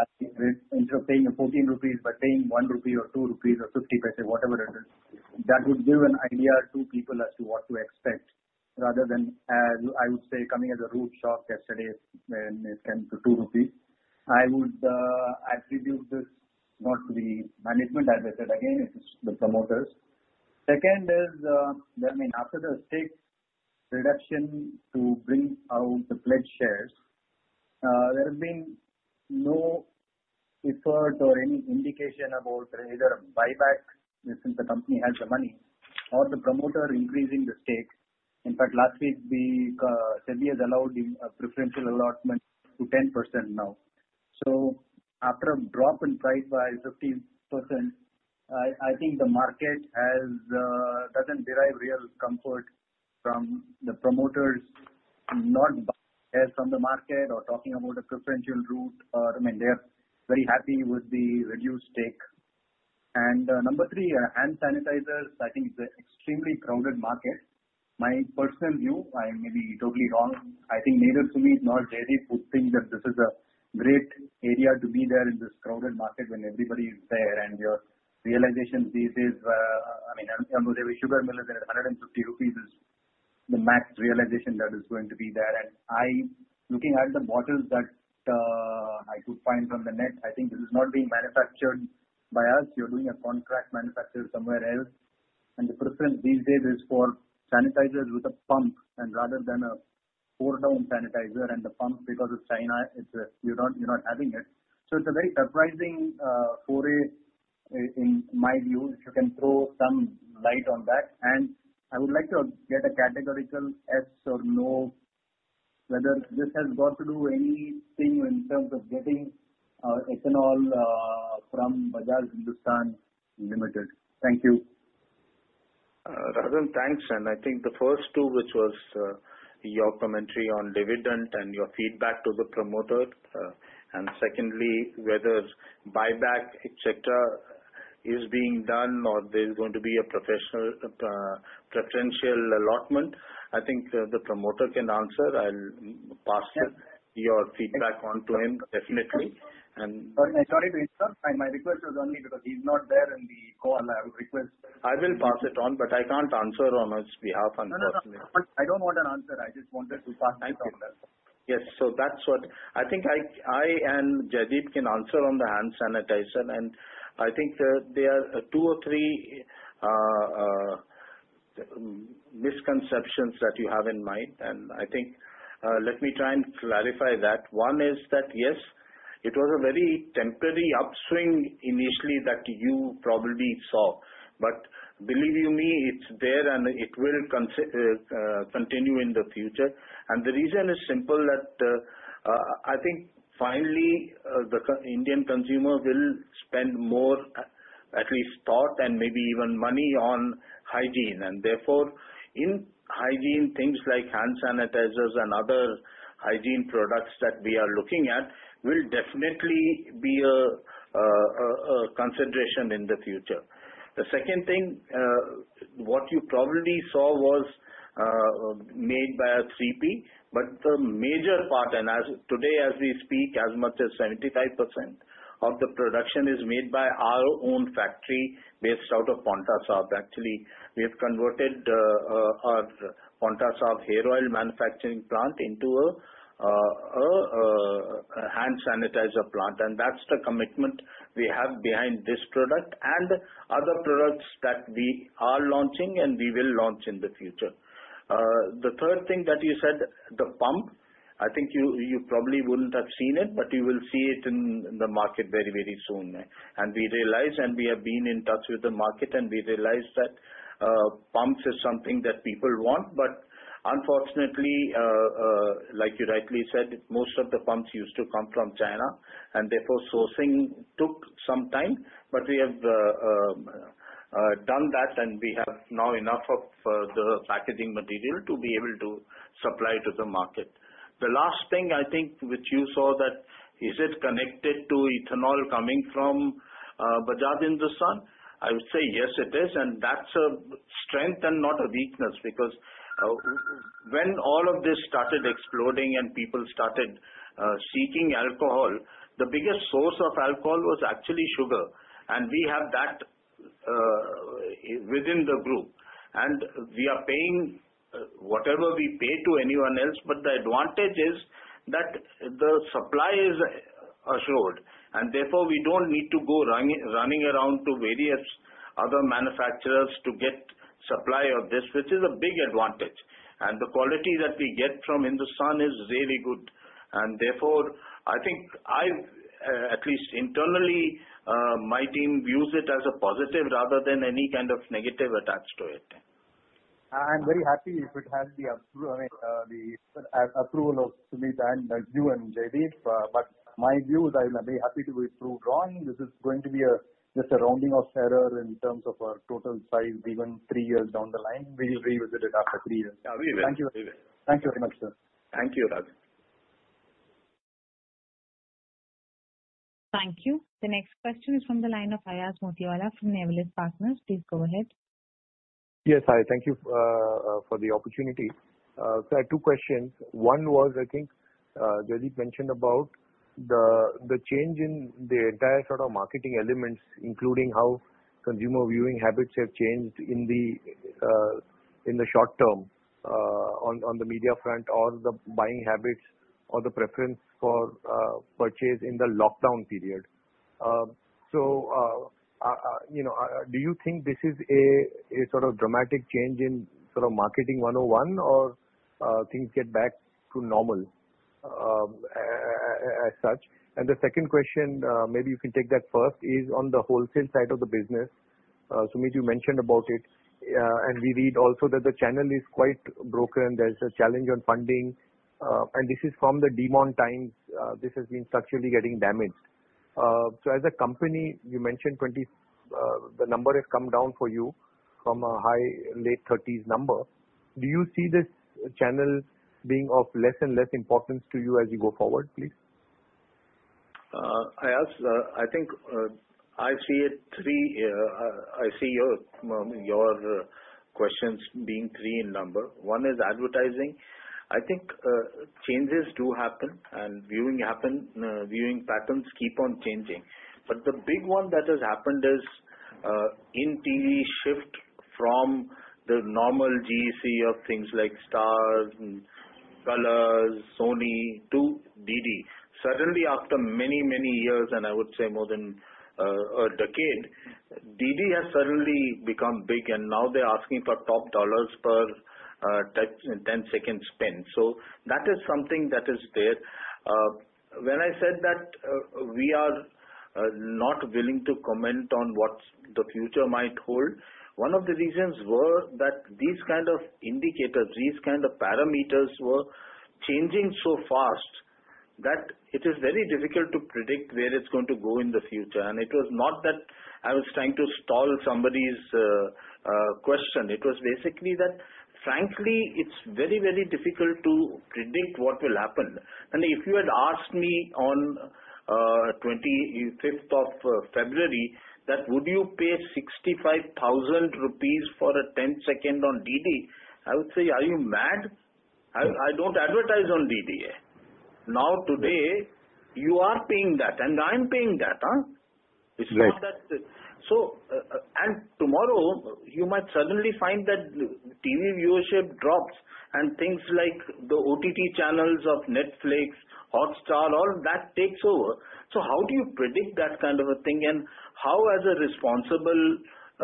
instead of paying 14 rupees, by paying 1 rupee or 2 rupees or 0.50, whatever it is. That would give an idea to people as to what to expect, rather than, I would say, coming as a rude shock yesterday when it came to 2 rupees. I would attribute this not to the management, as I said, again, it's the promoters. Second is, after the stake reduction to bring out the pledged shares, there have been no efforts or any indication about either a buyback, since the company has the money, or the promoter increasing the stake. In fact, last week, SEBI has allowed a preferential allotment to 10% now. After a drop in price by 15%, I think the market doesn't derive real comfort from the promoters not buying shares from the market or talking about a preferential route, or they're very happy with the reduced stake. Number three, hand sanitizers, I think, is an extremely crowded market. My personal view, I may be totally wrong. I think neither Sumit nor Jaideep would think that this is a great area to be there in this crowded market when everybody is there and your realization thesis, Ambuja sugar mill is there at 150 rupees is the max realization that is going to be there. Looking at the bottles that I could find on the net, I think this is not being manufactured by us. You're doing a contract manufacture somewhere else, and the preference these days is for sanitizers with a pump and rather than a pour-down sanitizer and the pump because of China, you're not having it. It's a very surprising foray in my view. If you can throw some light on that. I would like to get a categorical yes or no whether this has got to do anything in terms of getting our ethanol from Bajaj Hindusthan Limited. Thank you. Rajan, thanks. I think the first two, which was your commentary on dividend and your feedback to the promoter, and secondly, whether buyback, et cetera, is being done or there's going to be a preferential allotment. I think the promoter can answer. I'll pass your feedback on to him definitely. Sorry to interrupt. My request was only because he's not there in the call. I will pass it on, but I can't answer on his behalf, unfortunately. No, I don't want an answer. I just wanted to pass the request. Yes. That's what I think I and Jaideep can answer on the hand sanitizer, I think there are two or three misconceptions that you have in mind. I think, let me try and clarify that. One is that, yes, it was a very temporary upswing initially that you probably saw. Believe you me, it's there and it will continue in the future. The reason is simple, that I think finally, the Indian consumer will spend more, at least thought and maybe even money on hygiene. Therefore, in hygiene, things like hand sanitizers and other hygiene products that we are looking at will definitely be a consideration in the future. The second thing, what you probably saw was made by a CP. The major part, and today as we speak, as much as 75% of the production is made by our own factory based out of Pantnagar. Actually, we have converted our Pantnagar hair oil manufacturing plant into a hand sanitizer plant, and that's the commitment we have behind this product and other products that we are launching and we will launch in the future. The third thing that you said, the pump, I think you probably wouldn't have seen it, but you will see it in the market very soon. We have been in touch with the market, and we realized that pumps is something that people want, but unfortunately, like you rightly said, most of the pumps used to come from China, and therefore sourcing took some time. We have done that, we have now enough of the packaging material to be able to supply to the market. The last thing, I think, which you saw that, is it connected to ethanol coming from Bajaj Hindusthan? I would say yes, it is, and that's a strength and not a weakness, because when all of this started exploding and people started seeking alcohol, the biggest source of alcohol was actually sugar. We have that within the group. We are paying whatever we pay to anyone else. The advantage is that the supply is assured, and therefore we don't need to go running around to various other manufacturers to get supply of this, which is a big advantage. The quality that we get from Hindusthan is really good, and therefore, I think, at least internally, my team views it as a positive rather than any kind of negative attached to it. I'm very happy if it has the approval of Sumit and you and Jaideep. My view is I'm very happy to withdraw. This is going to be just a rounding off error in terms of our total size, even three years down the line. We will revisit it after three years. Yeah, we will. Thank you. Thank you very much, sir. Thank you, Rajan. Thank you. The next question is from the line of Ayaz Motiwala from Nivalis Partners. Please go ahead. Yes, hi. Thank you for the opportunity. Sir, I had two questions. One was, I think Jaideep mentioned about the change in the entire sort of marketing elements, including how consumer viewing habits have changed in the short term on the media front or the buying habits or the preference for purchase in the lockdown period. Do you think this is a sort of dramatic change in sort of marketing 101 or things get back to normal as such? The second question, maybe you can take that first, is on the wholesale side of the business. Sumit, you mentioned about it, and we read also that the channel is quite broken. There's a challenge on funding, and this is from the demonetization times. This has been structurally getting damaged. As a company, you mentioned the number has come down for you from a high late thirties number. Do you see this channel being of less and less importance to you as you go forward, please? Ayaz, I think I see your questions being three in number. One is advertising. I think changes do happen and viewing patterns keep on changing. The big one that has happened is in TV shift from the normal GEC of things like Star and Colors, Sony to DD. Suddenly after many years, more than a decade, DD has suddenly become big, and now they're asking for top dollars per 10-second spend. That is something that is there. When I said that we are not willing to comment on what the future might hold, one of the reasons were that these kind of indicators, these kind of parameters were changing so fast that it is very difficult to predict where it's going to go in the future. It was not that I was trying to stall somebody's question. It was basically that, frankly, it's very difficult to predict what will happen. If you had asked me on 25th of February that would you pay 65,000 rupees for a 10-second on DD, I would say, "Are you mad? I don't advertise on DD." Today you are paying that and I'm paying that. Right. Tomorrow you might suddenly find that TV viewership drops and things like the OTT channels of Netflix, Hotstar, all that takes over. How do you predict that kind of a thing? How, as a responsible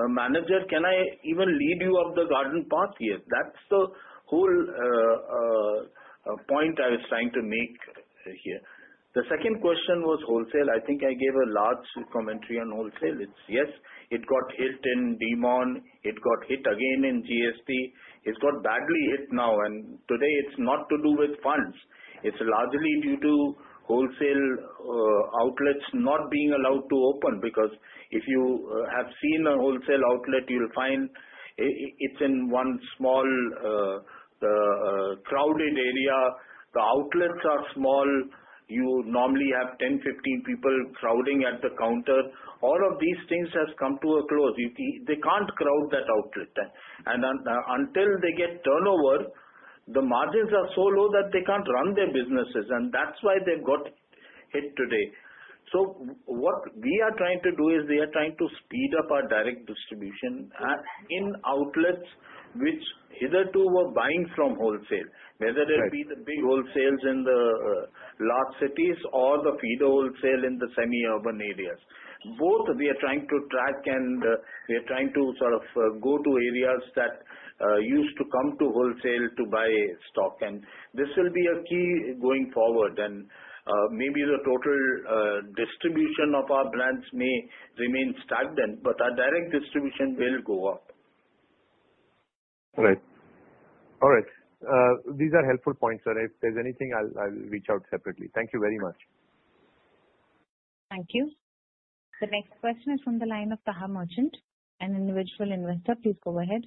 manager, can I even lead you up the garden path here? That's the whole point I was trying to make here. The second question was wholesale. I think I gave a large commentary on wholesale. Yes, it got hit in demonetization, it got hit again in GST. It's got badly hit now, and today it's not to do with funds. It's largely due to wholesale outlets not being allowed to open because if you have seen a wholesale outlet, you'll find it's in one small crowded area. The outlets are small. You normally have 10, 15 people crowding at the counter. All of these things has come to a close. They can't crowd that outlet. Until they get turnover, the margins are so low that they can't run their businesses, and that's why they've got hit today. What we are trying to do is we are trying to speed up our direct distribution in outlets which hitherto were buying from wholesale, whether they be the big wholesale in the large cities or the feeder wholesale in the semi-urban areas. Both, we are trying to track and we are trying to go to areas that used to come to wholesale to buy stock. This will be a key going forward. Maybe the total distribution of our brands may remain stagnant, but our direct distribution will go up. Right. All right. These are helpful points, sir. If there's anything, I'll reach out separately. Thank you very much. Thank you. The next question is from the line of Taha Merchant, an individual investor. Please go ahead.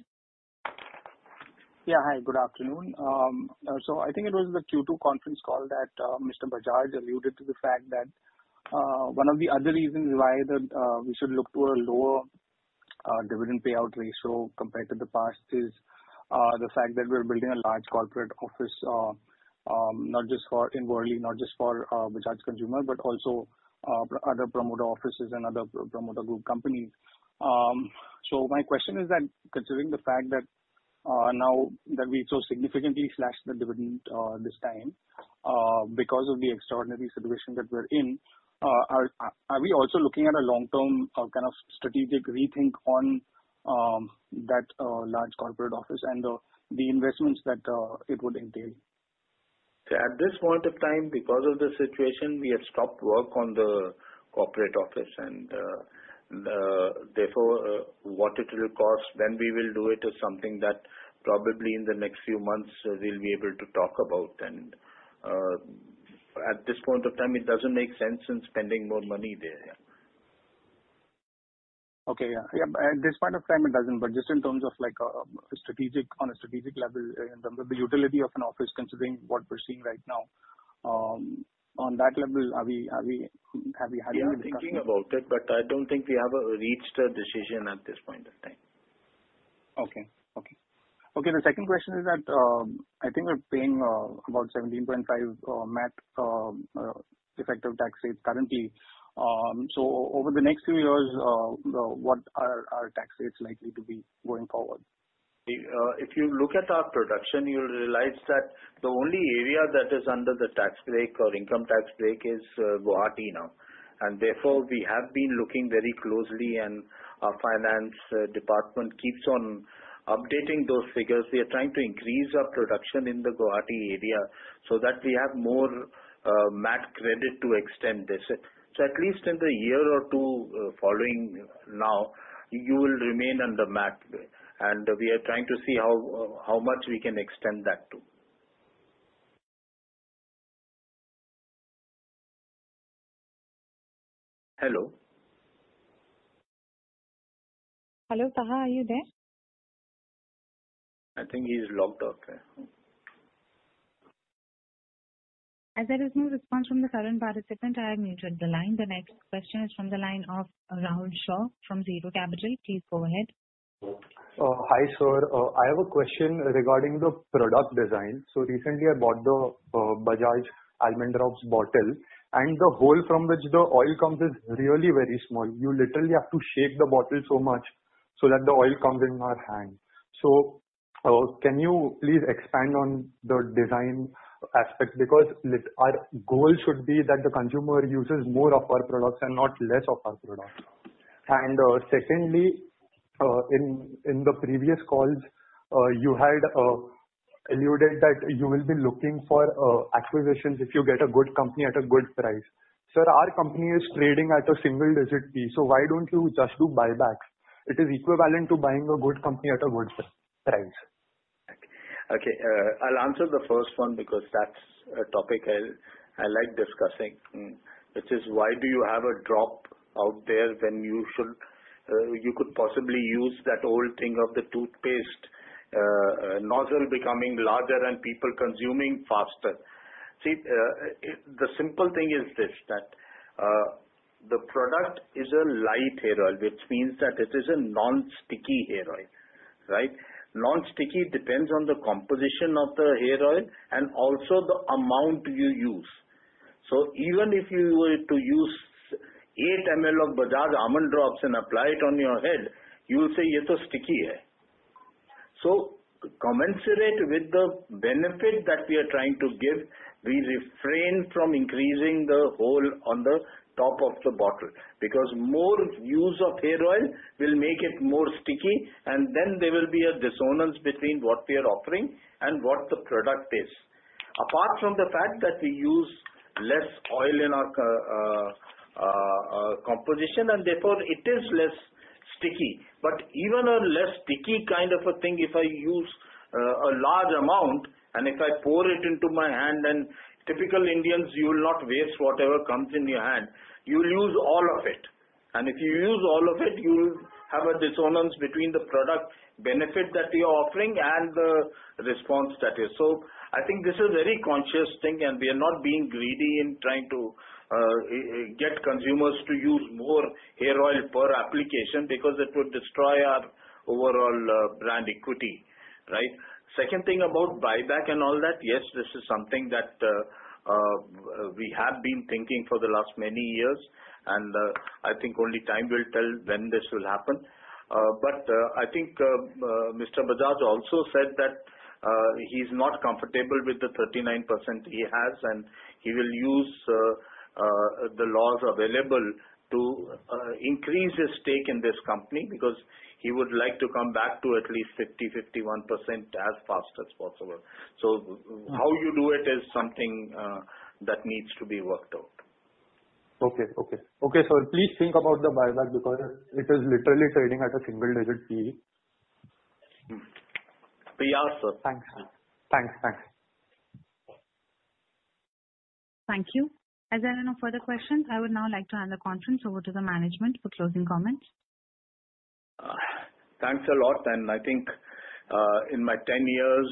Yeah, hi. Good afternoon. I think it was the Q2 conference call that Mr. Bajaj alluded to the fact that one of the other reasons why we should look to a lower dividend payout ratio compared to the past is the fact that we're building a large corporate office, not just for in Worli, not just for Bajaj Consumer, but also other promoter offices and other promoter group companies. My question is that considering the fact that now that we so significantly slashed the dividend this time because of the extraordinary situation that we're in, are we also looking at a long-term, strategic rethink on that large corporate office and the investments that it would entail? At this point of time, because of the situation, we have stopped work on the corporate office, and therefore, what it will cost, when we will do it, is something that probably in the next few months we'll be able to talk about. At this point of time, it doesn't make sense in spending more money there. Okay. Yeah. At this point of time, it doesn't. Just in terms of on a strategic level, in terms of the utility of an office, considering what we're seeing right now, on that level, have you had any discussion? We are thinking about it, but I don't think we have reached a decision at this point of time. Okay. The second question is that, I think we're paying about 17.5 MAT effective tax rate currently. Over the next few years, what are our tax rates likely to be going forward? If you look at our production, you will realize that the only area that is under the tax break or income tax break is Guwahati now. Therefore, we have been looking very closely, and our finance department keeps on updating those figures. We are trying to increase our production in the Guwahati area so that we have more MAT credit to extend this. At least in the year or two following now, you will remain under MAT. We are trying to see how much we can extend that to. Hello? Hello, Taha, are you there? I think he's logged off. As there is no response from the current participant, I have muted the line. The next question is from the line of [Rahul Shaw from Zero Capital]. Please go ahead. Hi, sir. I have a question regarding the product design. Recently I bought the Bajaj Almond Drops bottle, and the hole from which the oil comes is really very small. You literally have to shake the bottle so much so that the oil comes in our hand. Can you please expand on the design aspect? Our goal should be that the consumer uses more of our products and not less of our products. Secondly, in the previous calls, you had alluded that you will be looking for acquisitions if you get a good company at a good price. Sir, our company is trading at a single-digit PE, so why don't you just do buybacks? It is equivalent to buying a good company at a good price. Okay. I'll answer the first one because that's a topic I like discussing, which is why do you have a drop out there when you could possibly use that old thing of the toothpaste nozzle becoming larger and people consuming faster. See, the simple thing is this, that the product is a light hair oil, which means that it is a non-sticky hair oil. Non-sticky depends on the composition of the hair oil and also the amount you use. Even if you were to use 8 ml of Bajaj Almond Drops and apply it on your head, you will say, "This is sticky." Commensurate with the benefit that we are trying to give, we refrain from increasing the hole on the top of the bottle, because more use of hair oil will make it more sticky, and then there will be a dissonance between what we are offering and what the product is. Apart from the fact that we use less oil in our composition, and therefore it is less sticky. Even a less sticky kind of a thing, if I use a large amount, and if I pour it into my hand, and typical Indians, you will not waste whatever comes in your hand. You will use all of it. If you use all of it, you will have a dissonance between the product benefit that we are offering and the response that is. I think this is very conscious thing, and we are not being greedy in trying to get consumers to use more hair oil per application because it would destroy our overall brand equity. Second thing about buyback and all that, yes, this is something that we have been thinking for the last many years, and I think only time will tell when this will happen. I think Mr. Bajaj also said that he's not comfortable with the 39% he has, and he will use the laws available to increase his stake in this company because he would like to come back to at least 50%, 51% as fast as possible. How you do it is something that needs to be worked out. Okay. Sir, please think about the buyback because it is literally trading at a single-digit PE. We are, sir. Thanks. Thank you. As there are no further questions, I would now like to hand the conference over to the management for closing comments. Thanks a lot. I think in my 10 years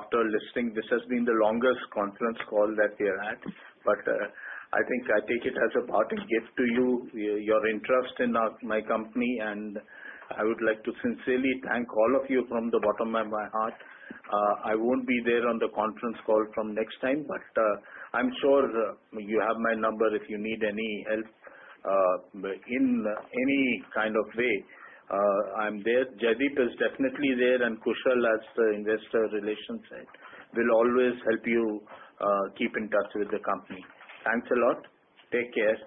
after listing, this has been the longest conference call that we're at. I think I take it as a parting gift to you, your interest in my company, and I would like to sincerely thank all of you from the bottom of my heart. I won't be there on the conference call from next time. I'm sure you have my number if you need any help in any kind of way. I'm there. Jaideep is definitely there, and Kushal, as investor relations head, will always help you keep in touch with the company. Thanks a lot. Take care.